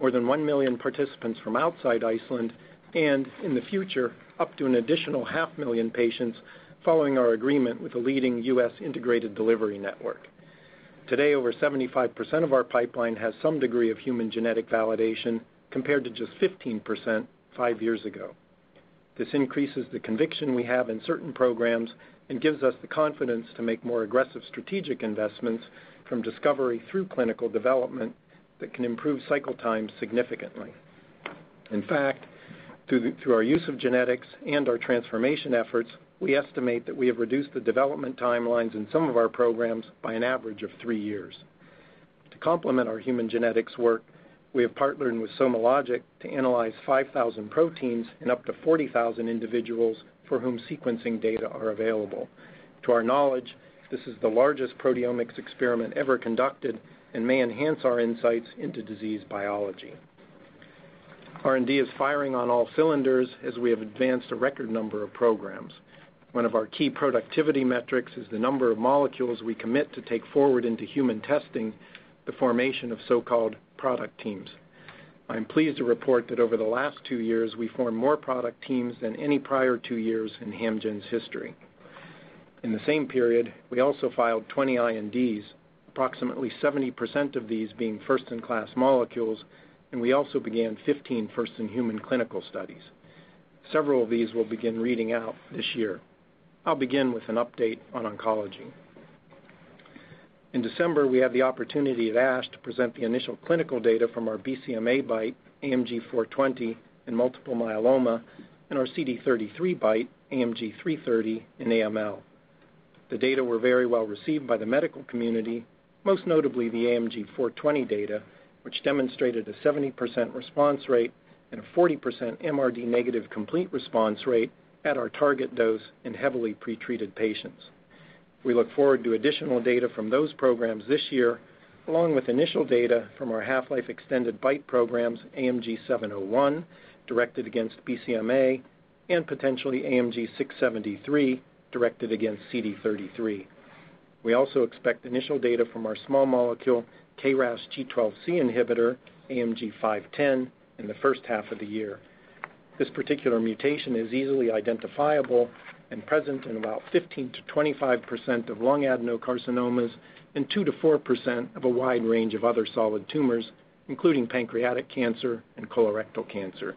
more than 1 million participants from outside Iceland, and in the future, up to an additional half million patients following our agreement with a leading U.S. integrated delivery network. Today, over 75% of our pipeline has some degree of human genetic validation, compared to just 15% five years ago. This increases the conviction we have in certain programs and gives us the confidence to make more aggressive strategic investments from discovery through clinical development that can improve cycle times significantly. In fact, through our use of genetics and our transformation efforts, we estimate that we have reduced the development timelines in some of our programs by an average of three years. To complement our human genetics work, we have partnered with SomaLogic to analyze 5,000 proteins in up to 40,000 individuals for whom sequencing data are available. To our knowledge, this is the largest proteomics experiment ever conducted and may enhance our insights into disease biology. R&D is firing on all cylinders as we have advanced a record number of programs. One of our key productivity metrics is the number of molecules we commit to take forward into human testing, the formation of so-called product teams. I'm pleased to report that over the last two years, we formed more product teams than any prior two years in Amgen's history. In the same period, we also filed 20 INDs, approximately 70% of these being first-in-class molecules, and we also began 15 first-in-human clinical studies. Several of these will begin reading out this year. I'll begin with an update on oncology. In December, we had the opportunity at ASH to present the initial clinical data from our BCMA BiTE, AMG 420 in multiple myeloma, and our CD33 BiTE, AMG 330 in AML. The data were very well received by the medical community, most notably the AMG 420 data, which demonstrated a 70% response rate and a 40% MRD-negative complete response rate at our target dose in heavily pretreated patients. We look forward to additional data from those programs this year, along with initial data from our half-life extended BiTE programs, AMG 701, directed against BCMA, and potentially AMG 673, directed against CD33. We also expect initial data from our small molecule KRAS G12C inhibitor, AMG 510, in the first half of the year. This particular mutation is easily identifiable and present in about 15%-25% of lung adenocarcinomas and 2%-4% of a wide range of other solid tumors, including pancreatic cancer and colorectal cancer.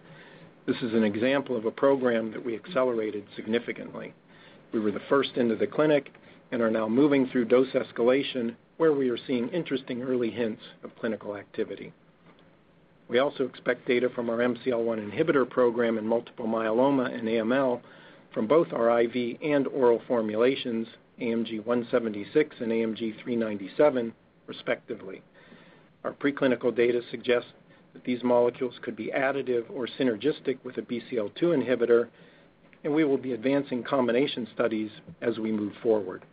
This is an example of a program that we accelerated significantly. We were the first into the clinic and are now moving through dose escalation, where we are seeing interesting early hints of clinical activity. We also expect data from our MCL-1 inhibitor program in multiple myeloma and AML from both our IV and oral formulations, AMG 176 and AMG 397, respectively. Our preclinical data suggests that these molecules could be additive or synergistic with a BCL-2 inhibitor, and we will be advancing combination studies as we move forward.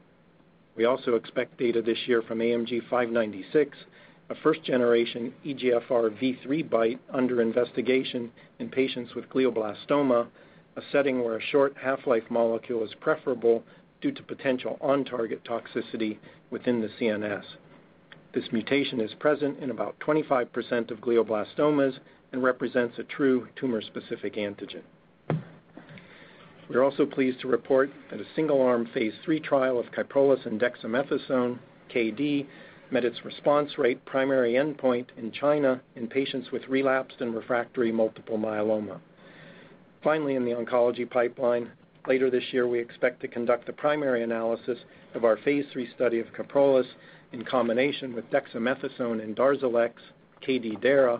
We also expect data this year from AMG 596, a first-generation EGFRvIII BiTE under investigation in patients with glioblastoma, a setting where a short half-life molecule is preferable due to potential on-target toxicity within the CNS. This mutation is present in about 25% of glioblastomas and represents a true tumor-specific antigen. We're also pleased to report that a single-arm phase III trial of Kyprolis and dexamethasone, KD, met its response rate primary endpoint in China in patients with relapsed and refractory multiple myeloma. In the oncology pipeline, later this year, we expect to conduct a primary analysis of our phase III study of Kyprolis in combination with dexamethasone and DARZALEX, KD-DA,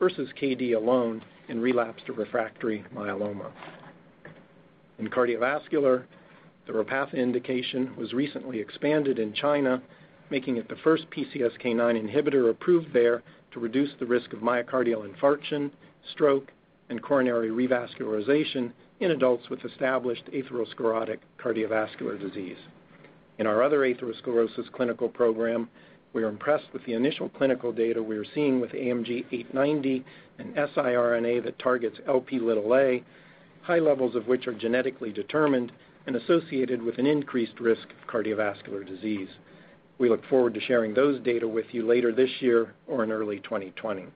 versus KD alone in relapsed refractory myeloma. In cardiovascular, the Repatha indication was recently expanded in China, making it the first PCSK9 inhibitor approved there to reduce the risk of myocardial infarction, stroke, and coronary revascularization in adults with established atherosclerotic cardiovascular disease. In our other atherosclerosis clinical program, we are impressed with the initial clinical data we are seeing with AMG 890, an siRNA that targets Lp(a), high levels of which are genetically determined and associated with an increased risk of cardiovascular disease. We look forward to sharing those data with you later this year or in early 2020.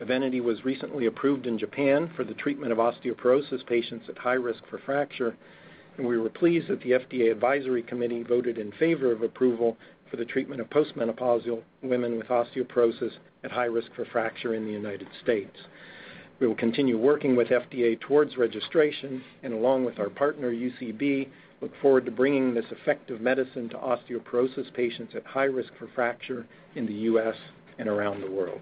In bone, EVENITY was recently approved in Japan for the treatment of osteoporosis patients at high risk for fracture, and we were pleased that the FDA advisory committee voted in favor of approval for the treatment of post-menopausal women with osteoporosis at high risk for fracture in the U.S. We will continue working with FDA towards registration and, along with our partner, UCB, look forward to bringing this effective medicine to osteoporosis patients at high risk for fracture in the U.S. and around the world.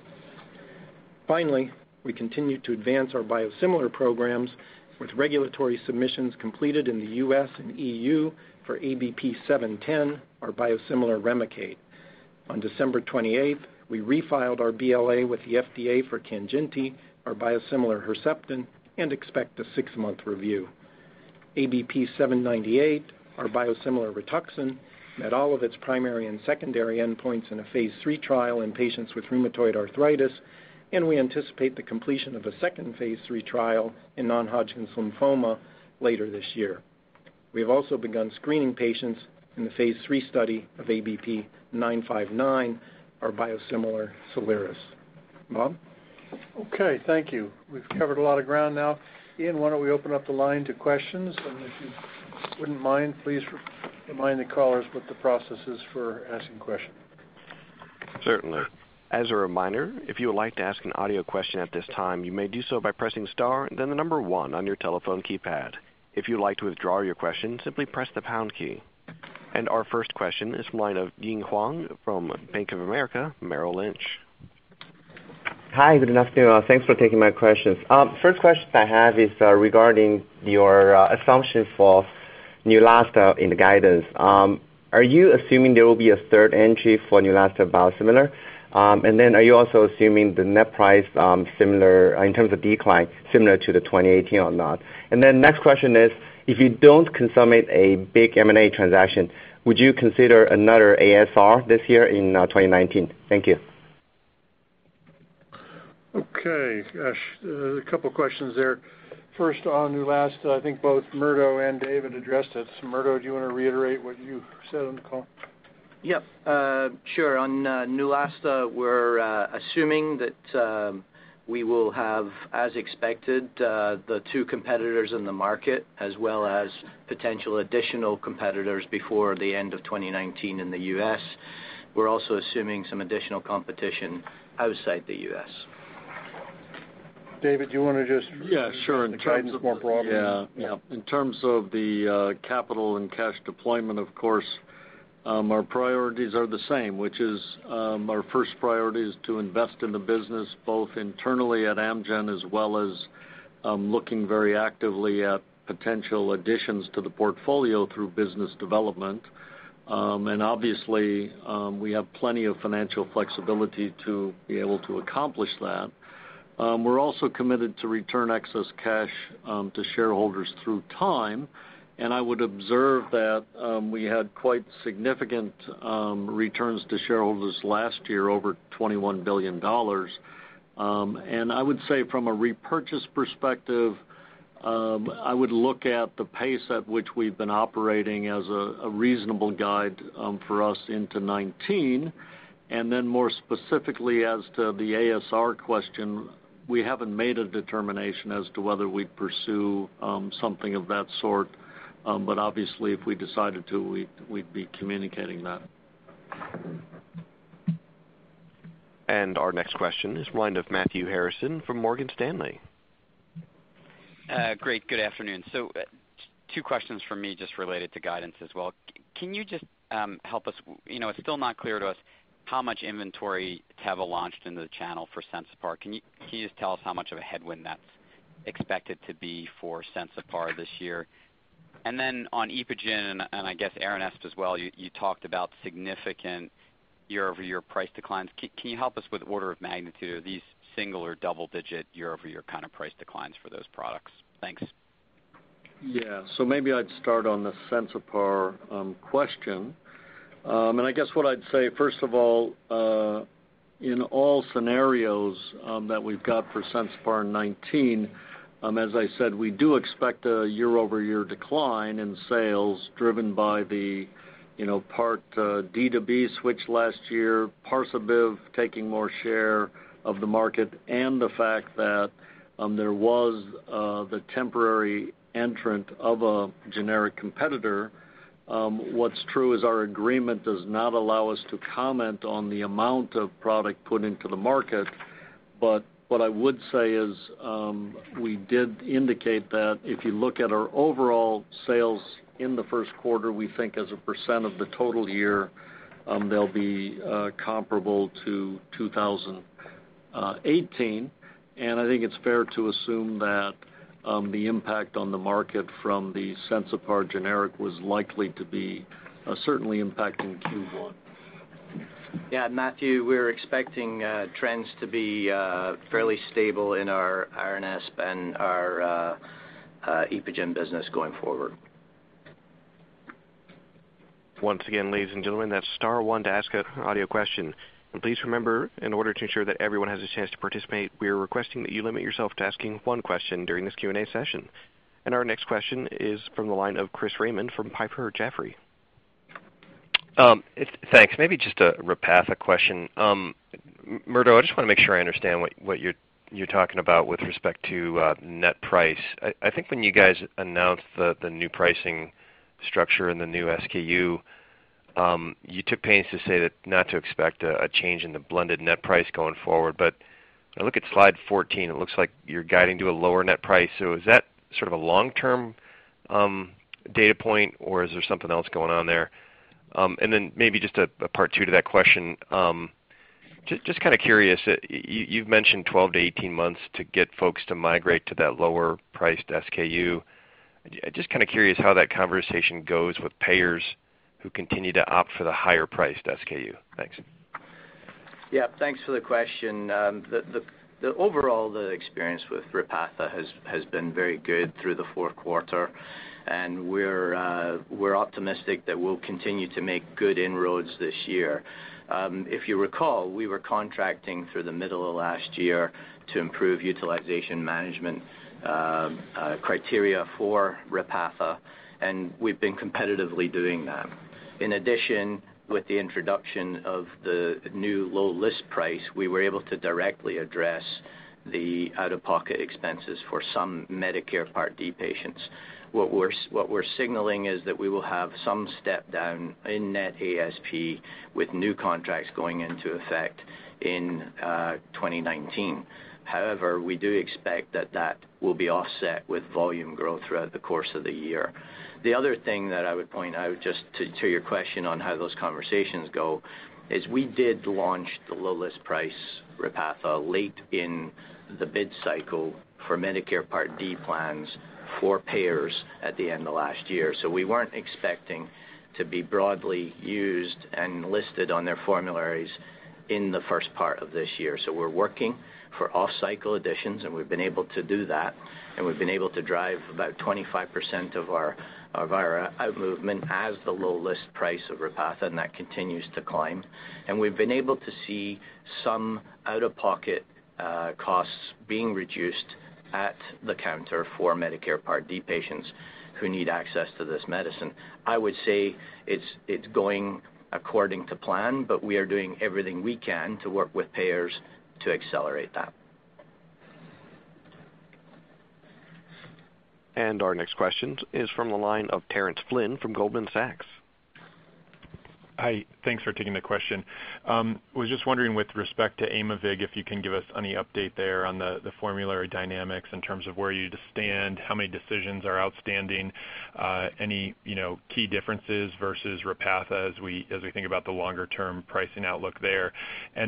We continue to advance our biosimilar programs with regulatory submissions completed in the U.S. and EU for ABP 710, our biosimilar REMICADE. On December 28th, we refiled our BLA with the FDA for KANJINTI, our biosimilar Herceptin, and expect a six-month review. ABP 798, our biosimilar RITUXAN, met all of its primary and secondary endpoints in a phase III trial in patients with rheumatoid arthritis, and we anticipate the completion of a second phase III trial in non-Hodgkin's lymphoma later this year. We have also begun screening patients in the phase III study of ABP 959, our biosimilar SOLIRIS. Bob? Okay, thank you. We've covered a lot of ground now. Ian, why don't we open up the line to questions? If you wouldn't mind, please remind the callers what the process is for asking questions. Certainly. As a reminder, if you would like to ask an audio question at this time, you may do so by pressing star and then the number one on your telephone keypad. If you'd like to withdraw your question, simply press the pound key. Our first question is from the line of Ying Huang from Bank of America Merrill Lynch. Hi, good afternoon. Thanks for taking my questions. First question I have is regarding your assumption for Neulasta in the guidance. Are you assuming there will be a third entry for Neulasta biosimilar? Are you also assuming the net price, in terms of decline, similar to the 2018 or not? Next question is, if you don't consummate a big M&A transaction, would you consider another ASR this year in 2019? Thank you. Okay. Gosh, a couple questions there. First, on Neulasta, I think both Murdo and David addressed this. Murdo, do you want to reiterate what you said on the call? Yep. Sure. On Neulasta, we're assuming that we will have, as expected, the two competitors in the market, as well as potential additional competitors before the end of 2019 in the U.S. We're also assuming some additional competition outside the U.S. David, do you want to Yeah, sure ...the guidance more broadly? Yeah. In terms of the capital and cash deployment, of course, our priorities are the same, which is our first priority is to invest in the business, both internally at Amgen, as well as looking very actively at potential additions to the portfolio through business development. Obviously, we have plenty of financial flexibility to be able to accomplish that. We're also committed to return excess cash to shareholders through time, I would observe that we had quite significant returns to shareholders last year, over $21 billion. I would say from a repurchase perspective, I would look at the pace at which we've been operating as a reasonable guide for us into 2019. More specifically as to the ASR question, we haven't made a determination as to whether we'd pursue something of that sort. Obviously, if we decided to, we'd be communicating that. Our next question is the line of Matthew Harrison from Morgan Stanley. Great. Good afternoon. Two questions from me just related to guidance as well. Can you just help us It's still not clear to us how much inventory Teva launched into the channel for Sensipar. Can you just tell us how much of a headwind that's expected to be for Sensipar this year? On Epogen, and I guess Aranesp as well, you talked about significant year-over-year price declines. Can you help us with order of magnitude? Are these single or double-digit year-over-year kind of price declines for those products? Thanks. Yeah. Maybe I'd start on the Sensipar question. I guess what I'd say, first of all. In all scenarios that we've got for Sensipar 2019, as I said, we do expect a year-over-year decline in sales driven by the Part D to B switch last year, Parsabiv taking more share of the market, the fact that there was the temporary entrant of a generic competitor. What's true is our agreement does not allow us to comment on the amount of product put into the market. What I would say is, we did indicate that if you look at our overall sales in the first quarter, we think as a percent of the total year, they'll be comparable to 2018. I think it's fair to assume that the impact on the market from the Sensipar generic was likely to be certainly impacting Q1. Yeah, Matthew, we're expecting trends to be fairly stable in our Aranesp and our EPOGEN business going forward. Once again, ladies and gentlemen, that's star one to ask an audio question. Please remember, in order to ensure that everyone has a chance to participate, we are requesting that you limit yourself to asking one question during this Q&A session. Our next question is from the line of Christopher Raymond from Piper Jaffray. Thanks. Maybe just a Repatha question. Murdo, I just want to make sure I understand what you're talking about with respect to net price. I think when you guys announced the new pricing structure and the new SKU, you took pains to say that not to expect a change in the blended net price going forward. I look at slide 14, it looks like you're guiding to a lower net price. Is that sort of a long-term data point, or is there something else going on there? Maybe just a part two to that question. Just kind of curious, you've mentioned 12-18 months to get folks to migrate to that lower-priced SKU. Just kind of curious how that conversation goes with payers who continue to opt for the higher-priced SKU. Thanks. Yeah. Thanks for the question. Overall, the experience with Repatha has been very good through the fourth quarter, and we're optimistic that we'll continue to make good inroads this year. If you recall, we were contracting through the middle of last year to improve utilization management criteria for Repatha, and we've been competitively doing that. In addition, with the introduction of the new low list price, we were able to directly address the out-of-pocket expenses for some Medicare Part D patients. What we're signaling is that we will have some step down in net ASP with new contracts going into effect in 2019. However, we do expect that that will be offset with volume growth throughout the course of the year. The other thing that I would point out, just to your question on how those conversations go, is we did launch the low list price Repatha late in the bid cycle for Medicare Part D plans for payers at the end of last year. We weren't expecting to be broadly used and listed on their formularies in the first part of this year. We're working for off-cycle additions, and we've been able to do that, and we've been able to drive about 25% of our out-movement as the low list price of Repatha, and that continues to climb. We've been able to see some out-of-pocket costs being reduced at the counter for Medicare Part D patients who need access to this medicine. I would say it's going according to plan, we are doing everything we can to work with payers to accelerate that. Our next question is from the line of Terence Flynn from Goldman Sachs. Hi. Thanks for taking the question. Was just wondering, with respect to Aimovig, if you can give us any update there on the formulary dynamics in terms of where you stand, how many decisions are outstanding, any key differences versus Repatha as we think about the longer-term pricing outlook there.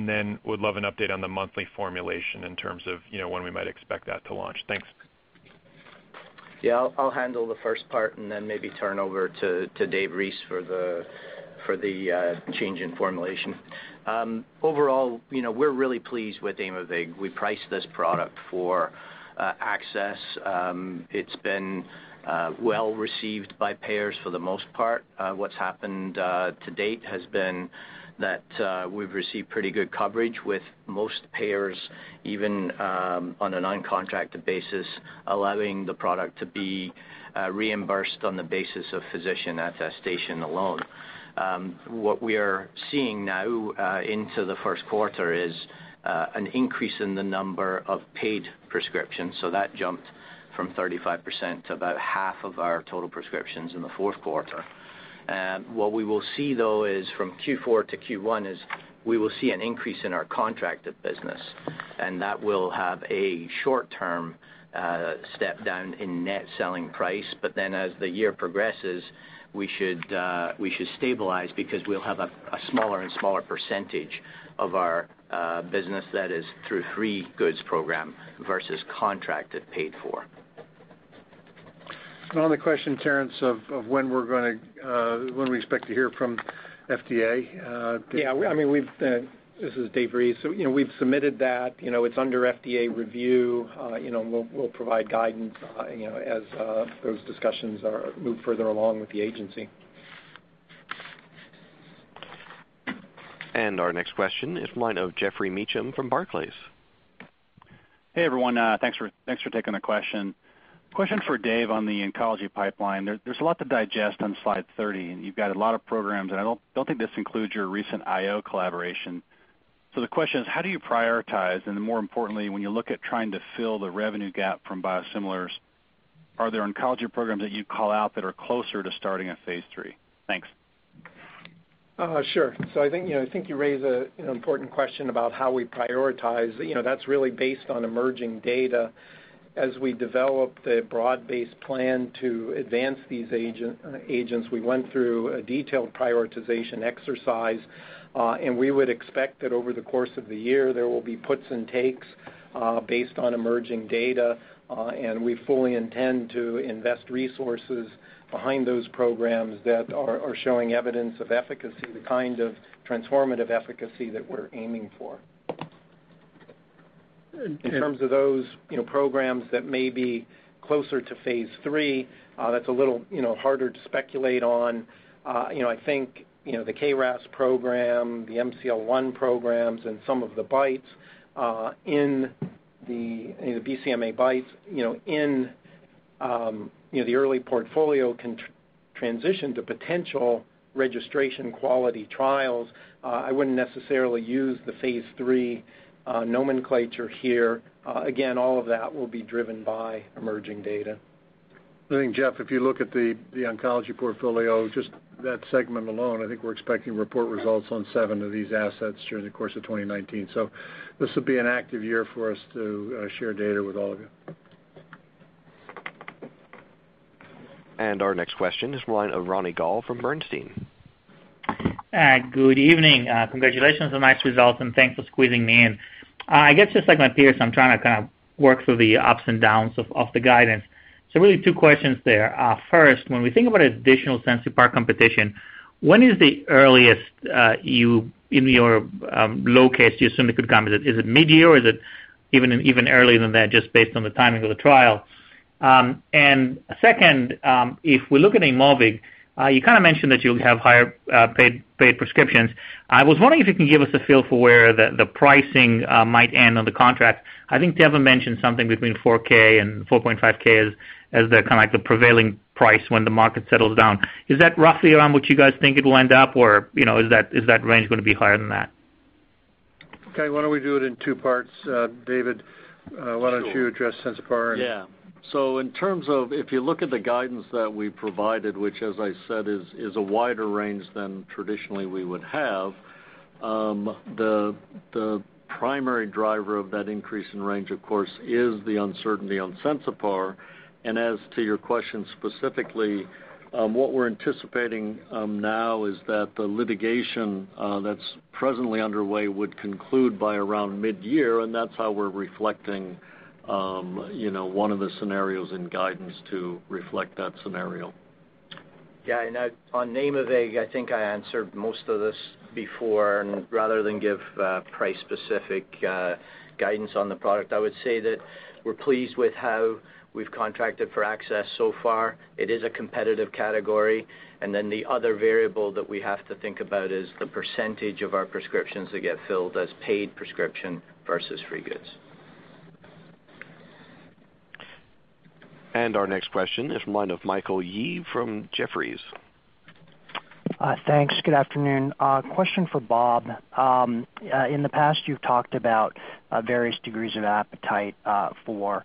Then would love an update on the monthly formulation in terms of when we might expect that to launch. Thanks. I'll handle the first part and then maybe turn over to Dave Reese for the change in formulation. Overall, we're really pleased with Aimovig. We priced this product for access. It's been well-received by payers for the most part. What's happened to date has been that we've received pretty good coverage with most payers, even on an uncontracted basis, allowing the product to be reimbursed on the basis of physician attestation alone. What we are seeing now into the first quarter is an increase in the number of paid prescriptions, so that jumped from 35% to about half of our total prescriptions in the fourth quarter. What we will see, though, is from Q4 to Q1 is we will see an increase in our contracted business, that will have a short-term step down in net selling price. As the year progresses, we should stabilize because we'll have a smaller and smaller percentage of our business that is through free goods program versus contracted paid for. On the question, Terence, of when we expect to hear from FDA? This is Dave Reese. We've submitted that. It's under FDA review. We'll provide guidance as those discussions move further along with the agency. Our next question is line of Geoffrey Meacham from Barclays. Hey, everyone. Thanks for taking the question. Question for Dave on the oncology pipeline. There's a lot to digest on slide 30. You've got a lot of programs. I don't think this includes your recent IO collaboration. The question is, how do you prioritize? More importantly, when you look at trying to fill the revenue gap from biosimilars, are there oncology programs that you call out that are closer to starting a phase III? Thanks. Sure. I think you raise an important question about how we prioritize. That's really based on emerging data. As we developed a broad-based plan to advance these agents, we went through a detailed prioritization exercise. We would expect that over the course of the year, there will be puts and takes based on emerging data. We fully intend to invest resources behind those programs that are showing evidence of efficacy, the kind of transformative efficacy that we're aiming for. In terms of those programs that may be closer to phase III, that's a little harder to speculate on. I think the KRAS program, the MCL-1 programs, and some of the BiTEs in the BCMA BiTEs, in the early portfolio can transition to potential registration quality trials. I wouldn't necessarily use the phase III nomenclature here. Again, all of that will be driven by emerging data. I think, Geoffrey, if you look at the oncology portfolio, just that segment alone, I think we're expecting to report results on seven of these assets during the course of 2019. This will be an active year for us to share data with all of you. Our next question is the line of Ronny Gal from Bernstein. Good evening. Congratulations on the nice results, and thanks for squeezing me in. I guess just like my peers, I'm trying to kind of work through the ups and downs of the guidance. Really two questions there. First, when we think about additional Sensipar competition, when is the earliest in your low case you assume it could come? Is it mid-year or is it even earlier than that, just based on the timing of the trial? Second, if we look at Aimovig, you kind of mentioned that you'll have higher paid prescriptions. I was wondering if you can give us a feel for where the pricing might end on the contract. I think David mentioned something between $4,000 and $4,500 as the prevailing price when the market settles down. Is that roughly around what you guys think it will end up or is that range going to be higher than that? Okay. Why don't we do it in two parts? David, why don't you address Sensipar. Sure. Yeah. In terms of if you look at the guidance that we provided, which as I said, is a wider range than traditionally we would have, the primary driver of that increase in range, of course, is the uncertainty on Sensipar, and as to your question specifically, what we're anticipating now is that the litigation that's presently underway would conclude by around mid-year, and that's how we're reflecting one of the scenarios in guidance to reflect that scenario. On Aimovig, I think I answered most of this before, and rather than give price-specific guidance on the product, I would say that we're pleased with how we've contracted for access so far. It is a competitive category, and then the other variable that we have to think about is the percentage of our prescriptions that get filled as paid prescription versus free goods. Our next question is from the line of Michael Yee from Jefferies. Thanks. Good afternoon. A question for Bob. In the past, you've talked about various degrees of appetite for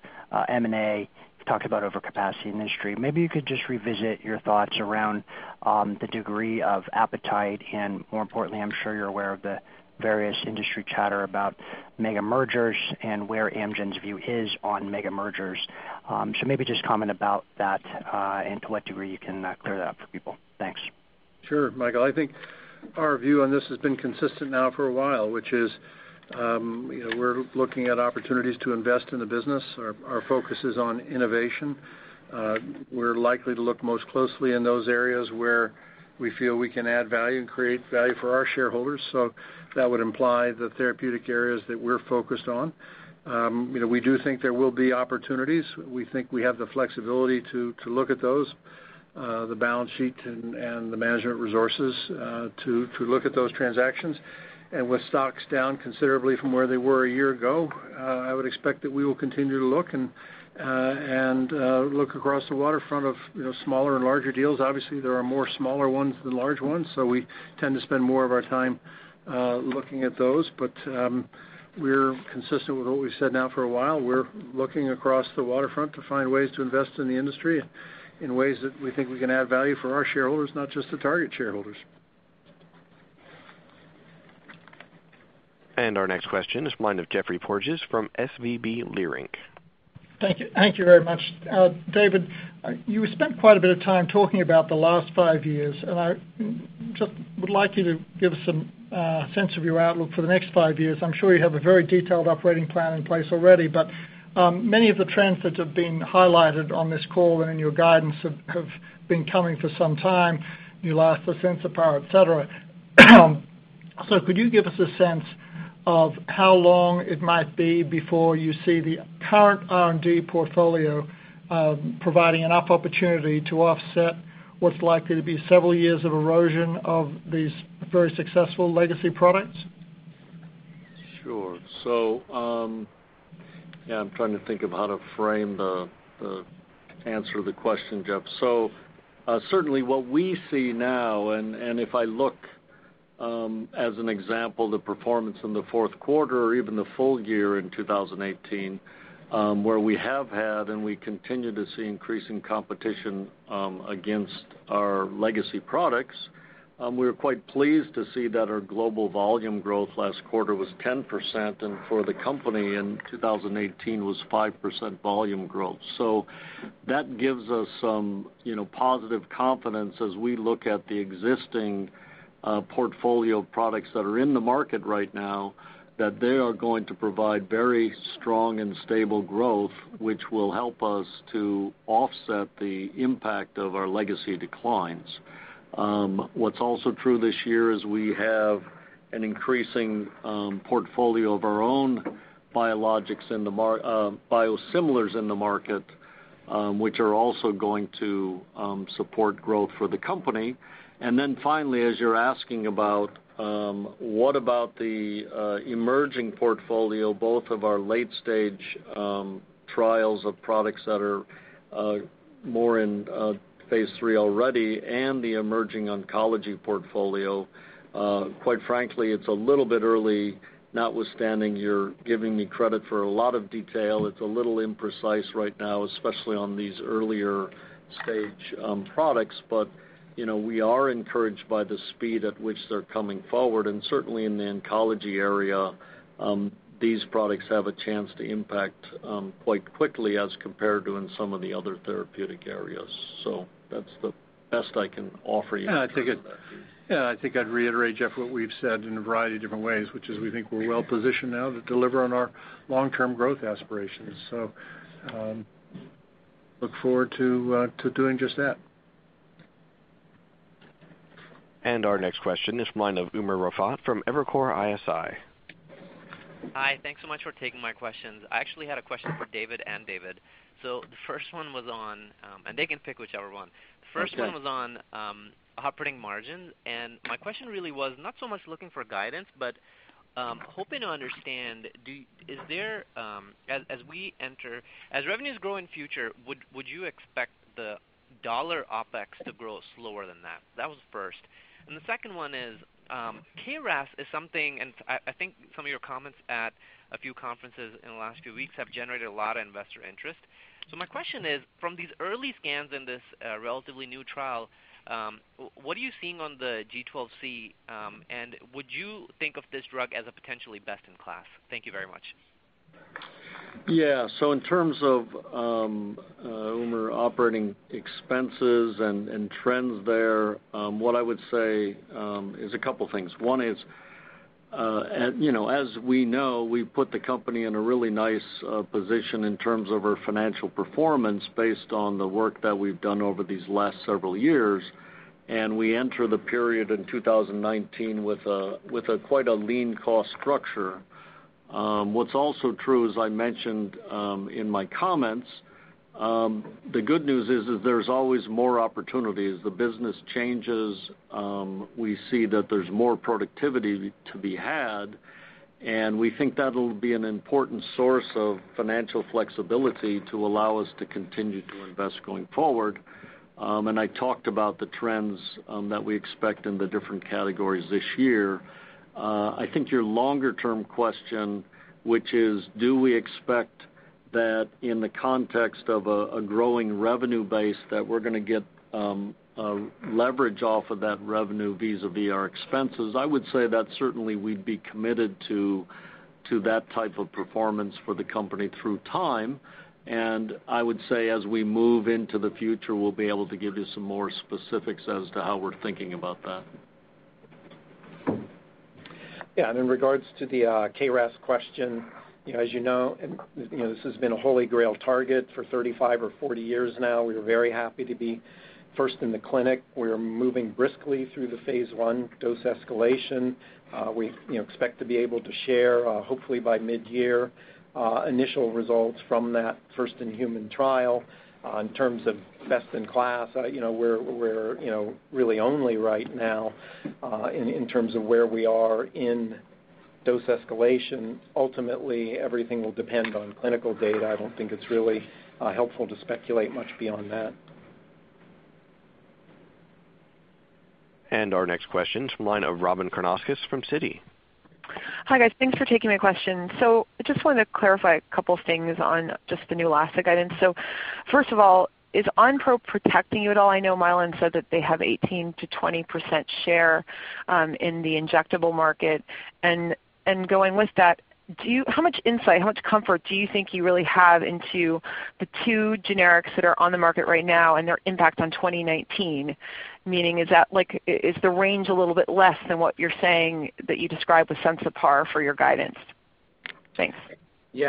M&A. You've talked about overcapacity in the industry. Maybe you could just revisit your thoughts around the degree of appetite and more importantly, I'm sure you're aware of the various industry chatter about mega mergers and where Amgen's view is on mega mergers. Maybe just comment about that and to what degree you can clear that up for people. Thanks. Sure, Michael. I think our view on this has been consistent now for a while, which is we're looking at opportunities to invest in the business. Our focus is on innovation. We're likely to look most closely in those areas where we feel we can add value and create value for our shareholders. That would imply the therapeutic areas that we're focused on. We do think there will be opportunities. We think we have the flexibility to look at those, the balance sheet and the management resources to look at those transactions. With stocks down considerably from where they were a year ago, I would expect that we will continue to look and look across the waterfront of smaller and larger deals. Obviously, there are more smaller ones than large ones, so we tend to spend more of our time looking at those. We're consistent with what we've said now for a while. We're looking across the waterfront to find ways to invest in the industry in ways that we think we can add value for our shareholders, not just the target shareholders. Our next question is from Geoffrey Porges from SVB Leerink. Thank you very much. David, you spent quite a bit of time talking about the last five years, and I just would like you to give us some sense of your outlook for the next five years. I'm sure you have a very detailed operating plan in place already, but many of the trends that have been highlighted on this call and in your guidance have been coming for some time, you lost the Sensipar, et cetera. Could you give us a sense of how long it might be before you see the current R&D portfolio providing enough opportunity to offset what's likely to be several years of erosion of these very successful legacy products? Sure. I'm trying to think of how to frame the answer to the question, Geoffrey. Certainly what we see now, and if I look as an example, the performance in the fourth quarter or even the full year in 2018, where we have had, and we continue to see increasing competition against our legacy products, we were quite pleased to see that our global volume growth last quarter was 10%, and for the company in 2018 was 5% volume growth. That gives us some positive confidence as we look at the existing portfolio of products that are in the market right now, that they are going to provide very strong and stable growth, which will help us to offset the impact of our legacy declines. What's also true this year is we have an increasing portfolio of our own biologics and biosimilars in the market, which are also going to support growth for the company. Finally, as you're asking about, what about the emerging portfolio, both of our late-stage trials of products that are more in phase III already and the emerging oncology portfolio, quite frankly, it's a little bit early, notwithstanding you're giving me credit for a lot of detail. It's a little imprecise right now, especially on these earlier-stage products, but we are encouraged by the speed at which they're coming forward. Certainly in the oncology area, these products have a chance to impact quite quickly as compared to in some of the other therapeutic areas. That's the best I can offer you in terms of that view. I think I'd reiterate, Geoffrey, what we've said in a variety of different ways, which is we think we're well positioned now to deliver on our long-term growth aspirations. Look forward to doing just that. Our next question is from Umer Raffat from Evercore ISI. Hi, thanks so much for taking my questions. I actually had a question for David and David. The first one was. They can pick whichever one. Okay. The first one was on operating margins, my question really was not so much looking for guidance, but hoping to understand, as revenues grow in future, would you expect the dollar OpEx to grow slower than that? That was first. The second one is, KRAS is something, I think some of your comments at a few conferences in the last few weeks have generated a lot of investor interest. My question is, from these early scans in this relatively new trial, what are you seeing on the G12C, and would you think of this drug as a potentially best-in-class? Thank you very much. Yeah. In terms of, Umer, operating expenses and trends there, what I would say is a couple things. One is, as we know, we've put the company in a really nice position in terms of our financial performance based on the work that we've done over these last several years, we enter the period in 2019 with quite a lean cost structure. What's also true, as I mentioned in my comments, the good news is that there's always more opportunities. The business changes, we see that there's more productivity to be had, we think that'll be an important source of financial flexibility to allow us to continue to invest going forward. I talked about the trends that we expect in the different categories this year. I think your longer-term question, which is do we expect that in the context of a growing revenue base, that we're going to get leverage off of that revenue vis-à-vis our expenses? I would say that certainly we'd be committed to that type of performance for the company through time, I would say as we move into the future, we'll be able to give you some more specifics as to how we're thinking about that. Yeah, in regards to the KRAS question, as you know, this has been a holy grail target for 35 or 40 years now. We are very happy to be first in the clinic. We are moving briskly through the phase I dose escalation. We expect to be able to share, hopefully by mid-year, initial results from that first-in-human trial. In terms of best-in-class, we're really only right now in terms of where we are in dose escalation. Ultimately, everything will depend on clinical data. I don't think it's really helpful to speculate much beyond that. Our next question's from the line of Robyn Karnauskas from Citi. Hi, guys. Thanks for taking my question. I just wanted to clarify a couple things on just the Neulasta guidance. First of all, is Onpro protecting you at all? I know Mylan said that they have 18%-20% share in the injectable market. Going with that, how much insight, how much comfort do you think you really have into the two generics that are on the market right now and their impact on 2019? Is the range a little bit less than what you're saying that you described with Sensipar for your guidance? Thanks.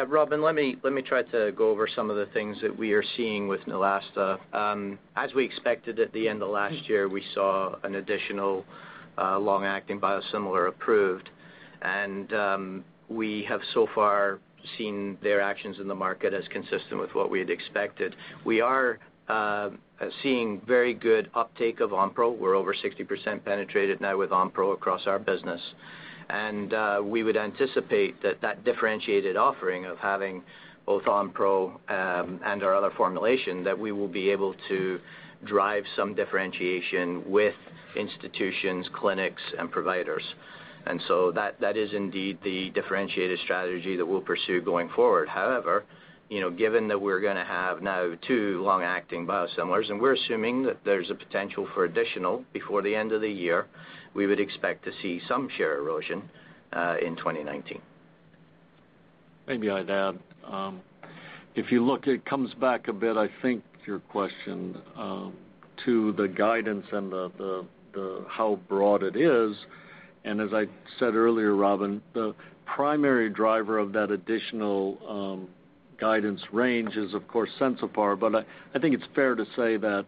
Robyn, let me try to go over some of the things that we are seeing with Neulasta. As we expected at the end of last year, we saw an additional long-acting biosimilar approved. We have so far seen their actions in the market as consistent with what we had expected. We are seeing very good uptake of Onpro. We're over 60% penetrated now with Onpro across our business. We would anticipate that that differentiated offering of having both Onpro and our other formulation, that we will be able to drive some differentiation with institutions, clinics, and providers. That is indeed the differentiated strategy that we'll pursue going forward. However, given that we're going to have now two long-acting biosimilars, and we're assuming that there's a potential for additional before the end of the year, we would expect to see some share erosion in 2019. Maybe I'd add. If you look, it comes back a bit, I think, to your question to the guidance and how broad it is. As I said earlier, Robyn, the primary driver of that additional guidance range is of course Sensipar, but I think it's fair to say that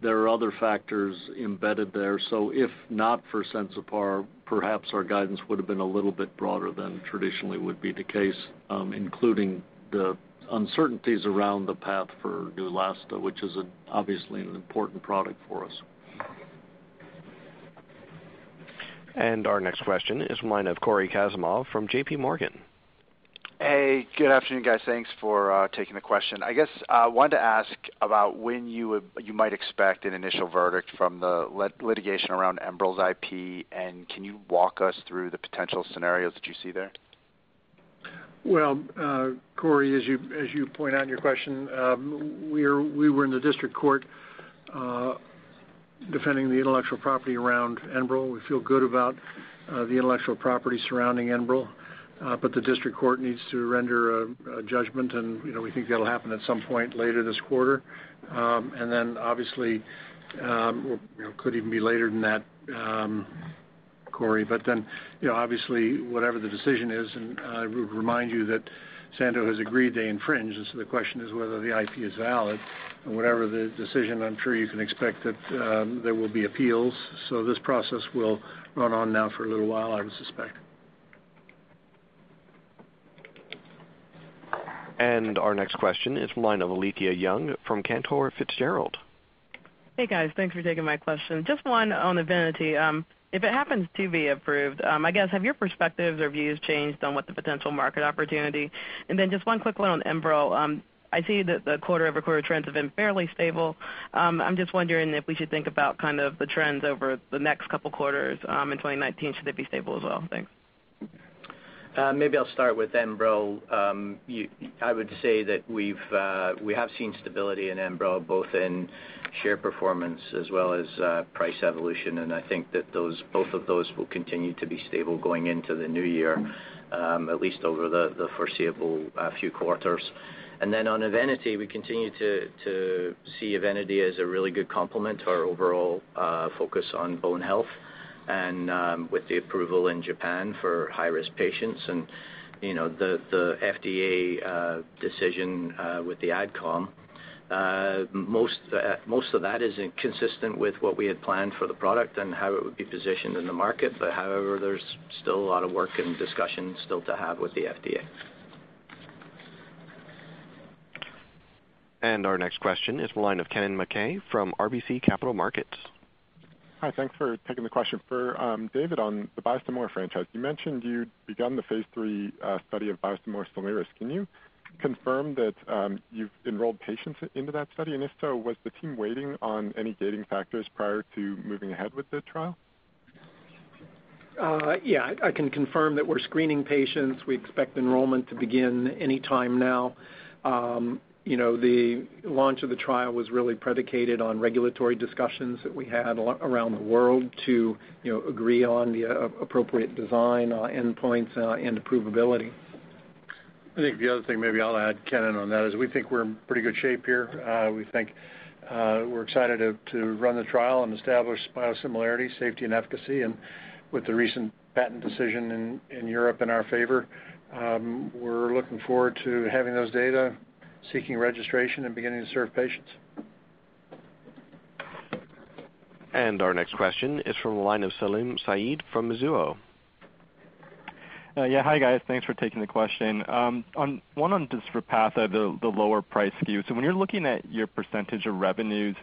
there are other factors embedded there. If not for Sensipar, perhaps our guidance would've been a little bit broader than traditionally would be the case, including the uncertainties around the path for Neulasta, which is obviously an important product for us. Our next question is the line of Cory Kasimov from JPMorgan. Hey, good afternoon, guys. Thanks for taking the question. I guess I wanted to ask about when you might expect an initial verdict from the litigation around Enbrel's IP, and can you walk us through the potential scenarios that you see there? Cory, as you point out in your question, we were in the district court defending the intellectual property around Enbrel. We feel good about the intellectual property surrounding Enbrel, but the district court needs to render a judgment, and we think that'll happen at some point later this quarter. Obviously, could even be later than that, Cory. Obviously, whatever the decision is, and I would remind you that Sandoz has agreed they infringe, the question is whether the IP is valid. Whatever the decision, I'm sure you can expect that there will be appeals. This process will run on now for a little while, I would suspect. Our next question is from the line of Alethia Young from Cantor Fitzgerald. Hey, guys. Thanks for taking my question. Just one on EVENITY. If it happens to be approved, I guess have your perspectives or views changed on what the potential market opportunity? Just one quick one on Enbrel. I see that the quarter-over-quarter trends have been fairly stable. I'm just wondering if we should think about kind of the trends over the next couple quarters in 2019. Should they be stable as well? Thanks. Maybe I'll start with Enbrel. I would say that we have seen stability in Enbrel, both in share performance as well as price evolution. I think that both of those will continue to be stable going into the new year, at least over the foreseeable few quarters. On EVENITY, we continue to see EVENITY as a really good complement to our overall focus on bone health. With the approval in Japan for high-risk patients and the FDA decision with the AdCom, most of that is consistent with what we had planned for the product and how it would be positioned in the market. However, there's still a lot of work and discussion still to have with the FDA. Our next question is the line of Kennen MacKay from RBC Capital Markets. Hi. Thanks for taking the question. For David, on the Biosimilar franchise, you mentioned you'd begun the phase III study of biosimilar SOLIRIS. Can you confirm that you've enrolled patients into that study? If so, was the team waiting on any gating factors prior to moving ahead with the trial? Yeah. I can confirm that we're screening patients. We expect enrollment to begin any time now. The launch of the trial was really predicated on regulatory discussions that we had around the world to agree on the appropriate design, endpoints, and approvability. I think the other thing, maybe I'll add, Kennen, in on that, is we think we're in pretty good shape here. We think we're excited to run the trial and establish biosimilarity, safety, and efficacy. With the recent patent decision in Europe in our favor, we're looking forward to having those data, seeking registration, and beginning to serve patients. Our next question is from the line of Salim Syed from Mizuho. Yeah. Hi, guys. Thanks for taking the question. One on Repatha, the lower price SKU. When you're looking at your percentage of revenues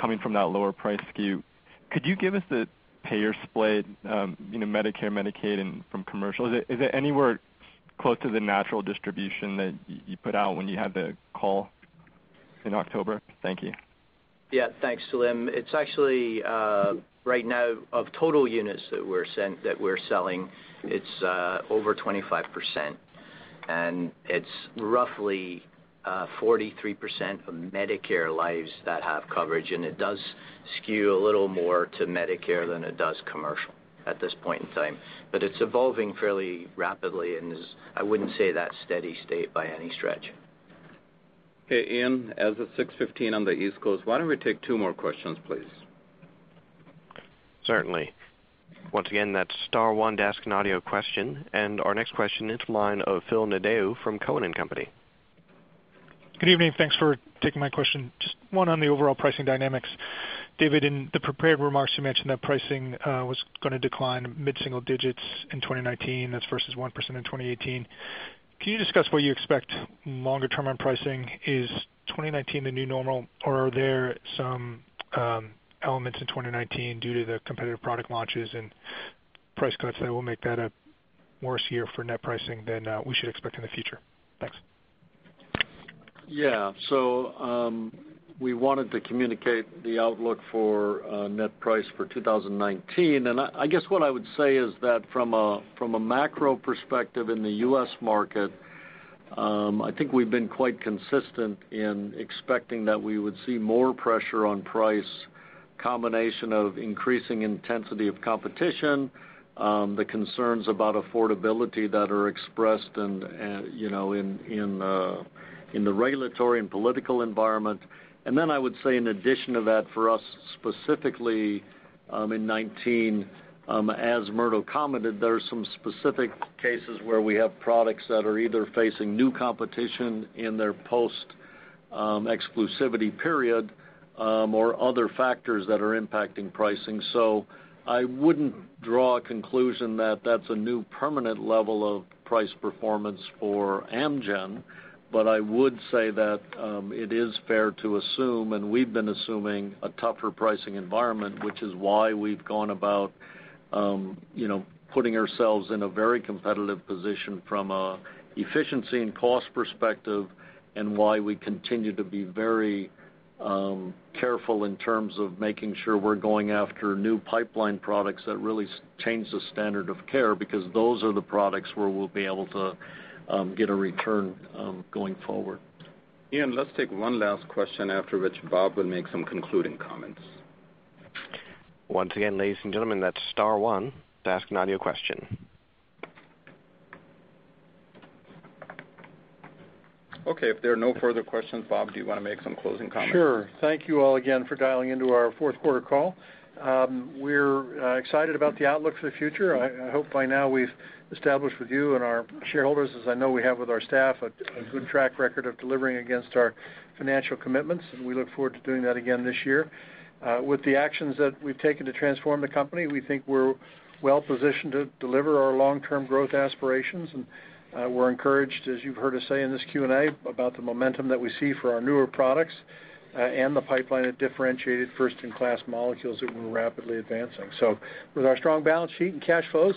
coming from that lower price SKU, could you give us the payer split, Medicare, Medicaid, and from commercial? Is it anywhere close to the natural distribution that you put out when you had the call in October? Thank you. Thanks, Salim. It's actually right now of total units that we're selling, it's over 25%. It's roughly 43% of Medicare lives that have coverage, and it does skew a little more to Medicare than it does commercial at this point in time. It's evolving fairly rapidly and is, I wouldn't say that steady state by any stretch. Okay, Ian, as of 6:15 on the East Coast, why don't we take two more questions, please? Certainly. Once again, that's star one to ask an audio question. Our next question is the line of Phil Nadeau from Cowen and Company. Good evening. Thanks for taking my question. Just one on the overall pricing dynamics. David, in the prepared remarks, you mentioned that pricing was going to decline mid-single digits in 2019, that's versus 1% in 2018. Can you discuss what you expect longer-term on pricing? Is 2019 the new normal, or are there some elements in 2019 due to the competitive product launches and price cuts that will make that a worse year for net pricing than we should expect in the future? Thanks. We wanted to communicate the outlook for net price for 2019. I guess what I would say is that from a macro perspective in the U.S. market, I think we've been quite consistent in expecting that we would see more pressure on price, combination of increasing intensity of competition, the concerns about affordability that are expressed in the regulatory and political environment. I would say in addition to that, for us specifically, in 2019, as Murdo commented, there are some specific cases where we have products that are either facing new competition in their post-exclusivity period or other factors that are impacting pricing. I wouldn't draw a conclusion that that's a new permanent level of price performance for Amgen, but I would say that it is fair to assume, and we've been assuming a tougher pricing environment, which is why we've gone about putting ourselves in a very competitive position from an efficiency and cost perspective, and why we continue to be very careful in terms of making sure we're going after new pipeline products that really change the standard of care, because those are the products where we'll be able to get a return going forward. Ian, let's take one last question, after which Bob will make some concluding comments. Once again, ladies and gentlemen, that's star one to ask an audio question. Okay, if there are no further questions, Bob, do you want to make some closing comments? Sure. Thank you all again for dialing into our fourth quarter call. We're excited about the outlook for the future. I hope by now we've established with you and our shareholders, as I know we have with our staff, a good track record of delivering against our financial commitments, and we look forward to doing that again this year. With the actions that we've taken to transform the company, we think we're well-positioned to deliver our long-term growth aspirations, and we're encouraged, as you've heard us say in this Q&A, about the momentum that we see for our newer products and the pipeline of differentiated first-in-class molecules that we're rapidly advancing. With our strong balance sheet and cash flows,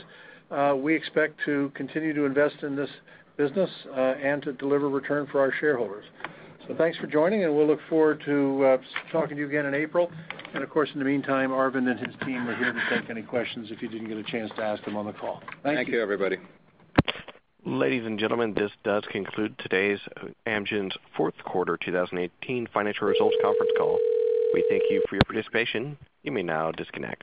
we expect to continue to invest in this business, and to deliver return for our shareholders. Thanks for joining, and we'll look forward to talking to you again in April. Of course, in the meantime, Arvind and his team are here to take any questions if you didn't get a chance to ask them on the call. Thank you. Thank you, everybody. Ladies and gentlemen, this does conclude today's Amgen's fourth quarter 2018 financial results conference call. We thank you for your participation. You may now disconnect.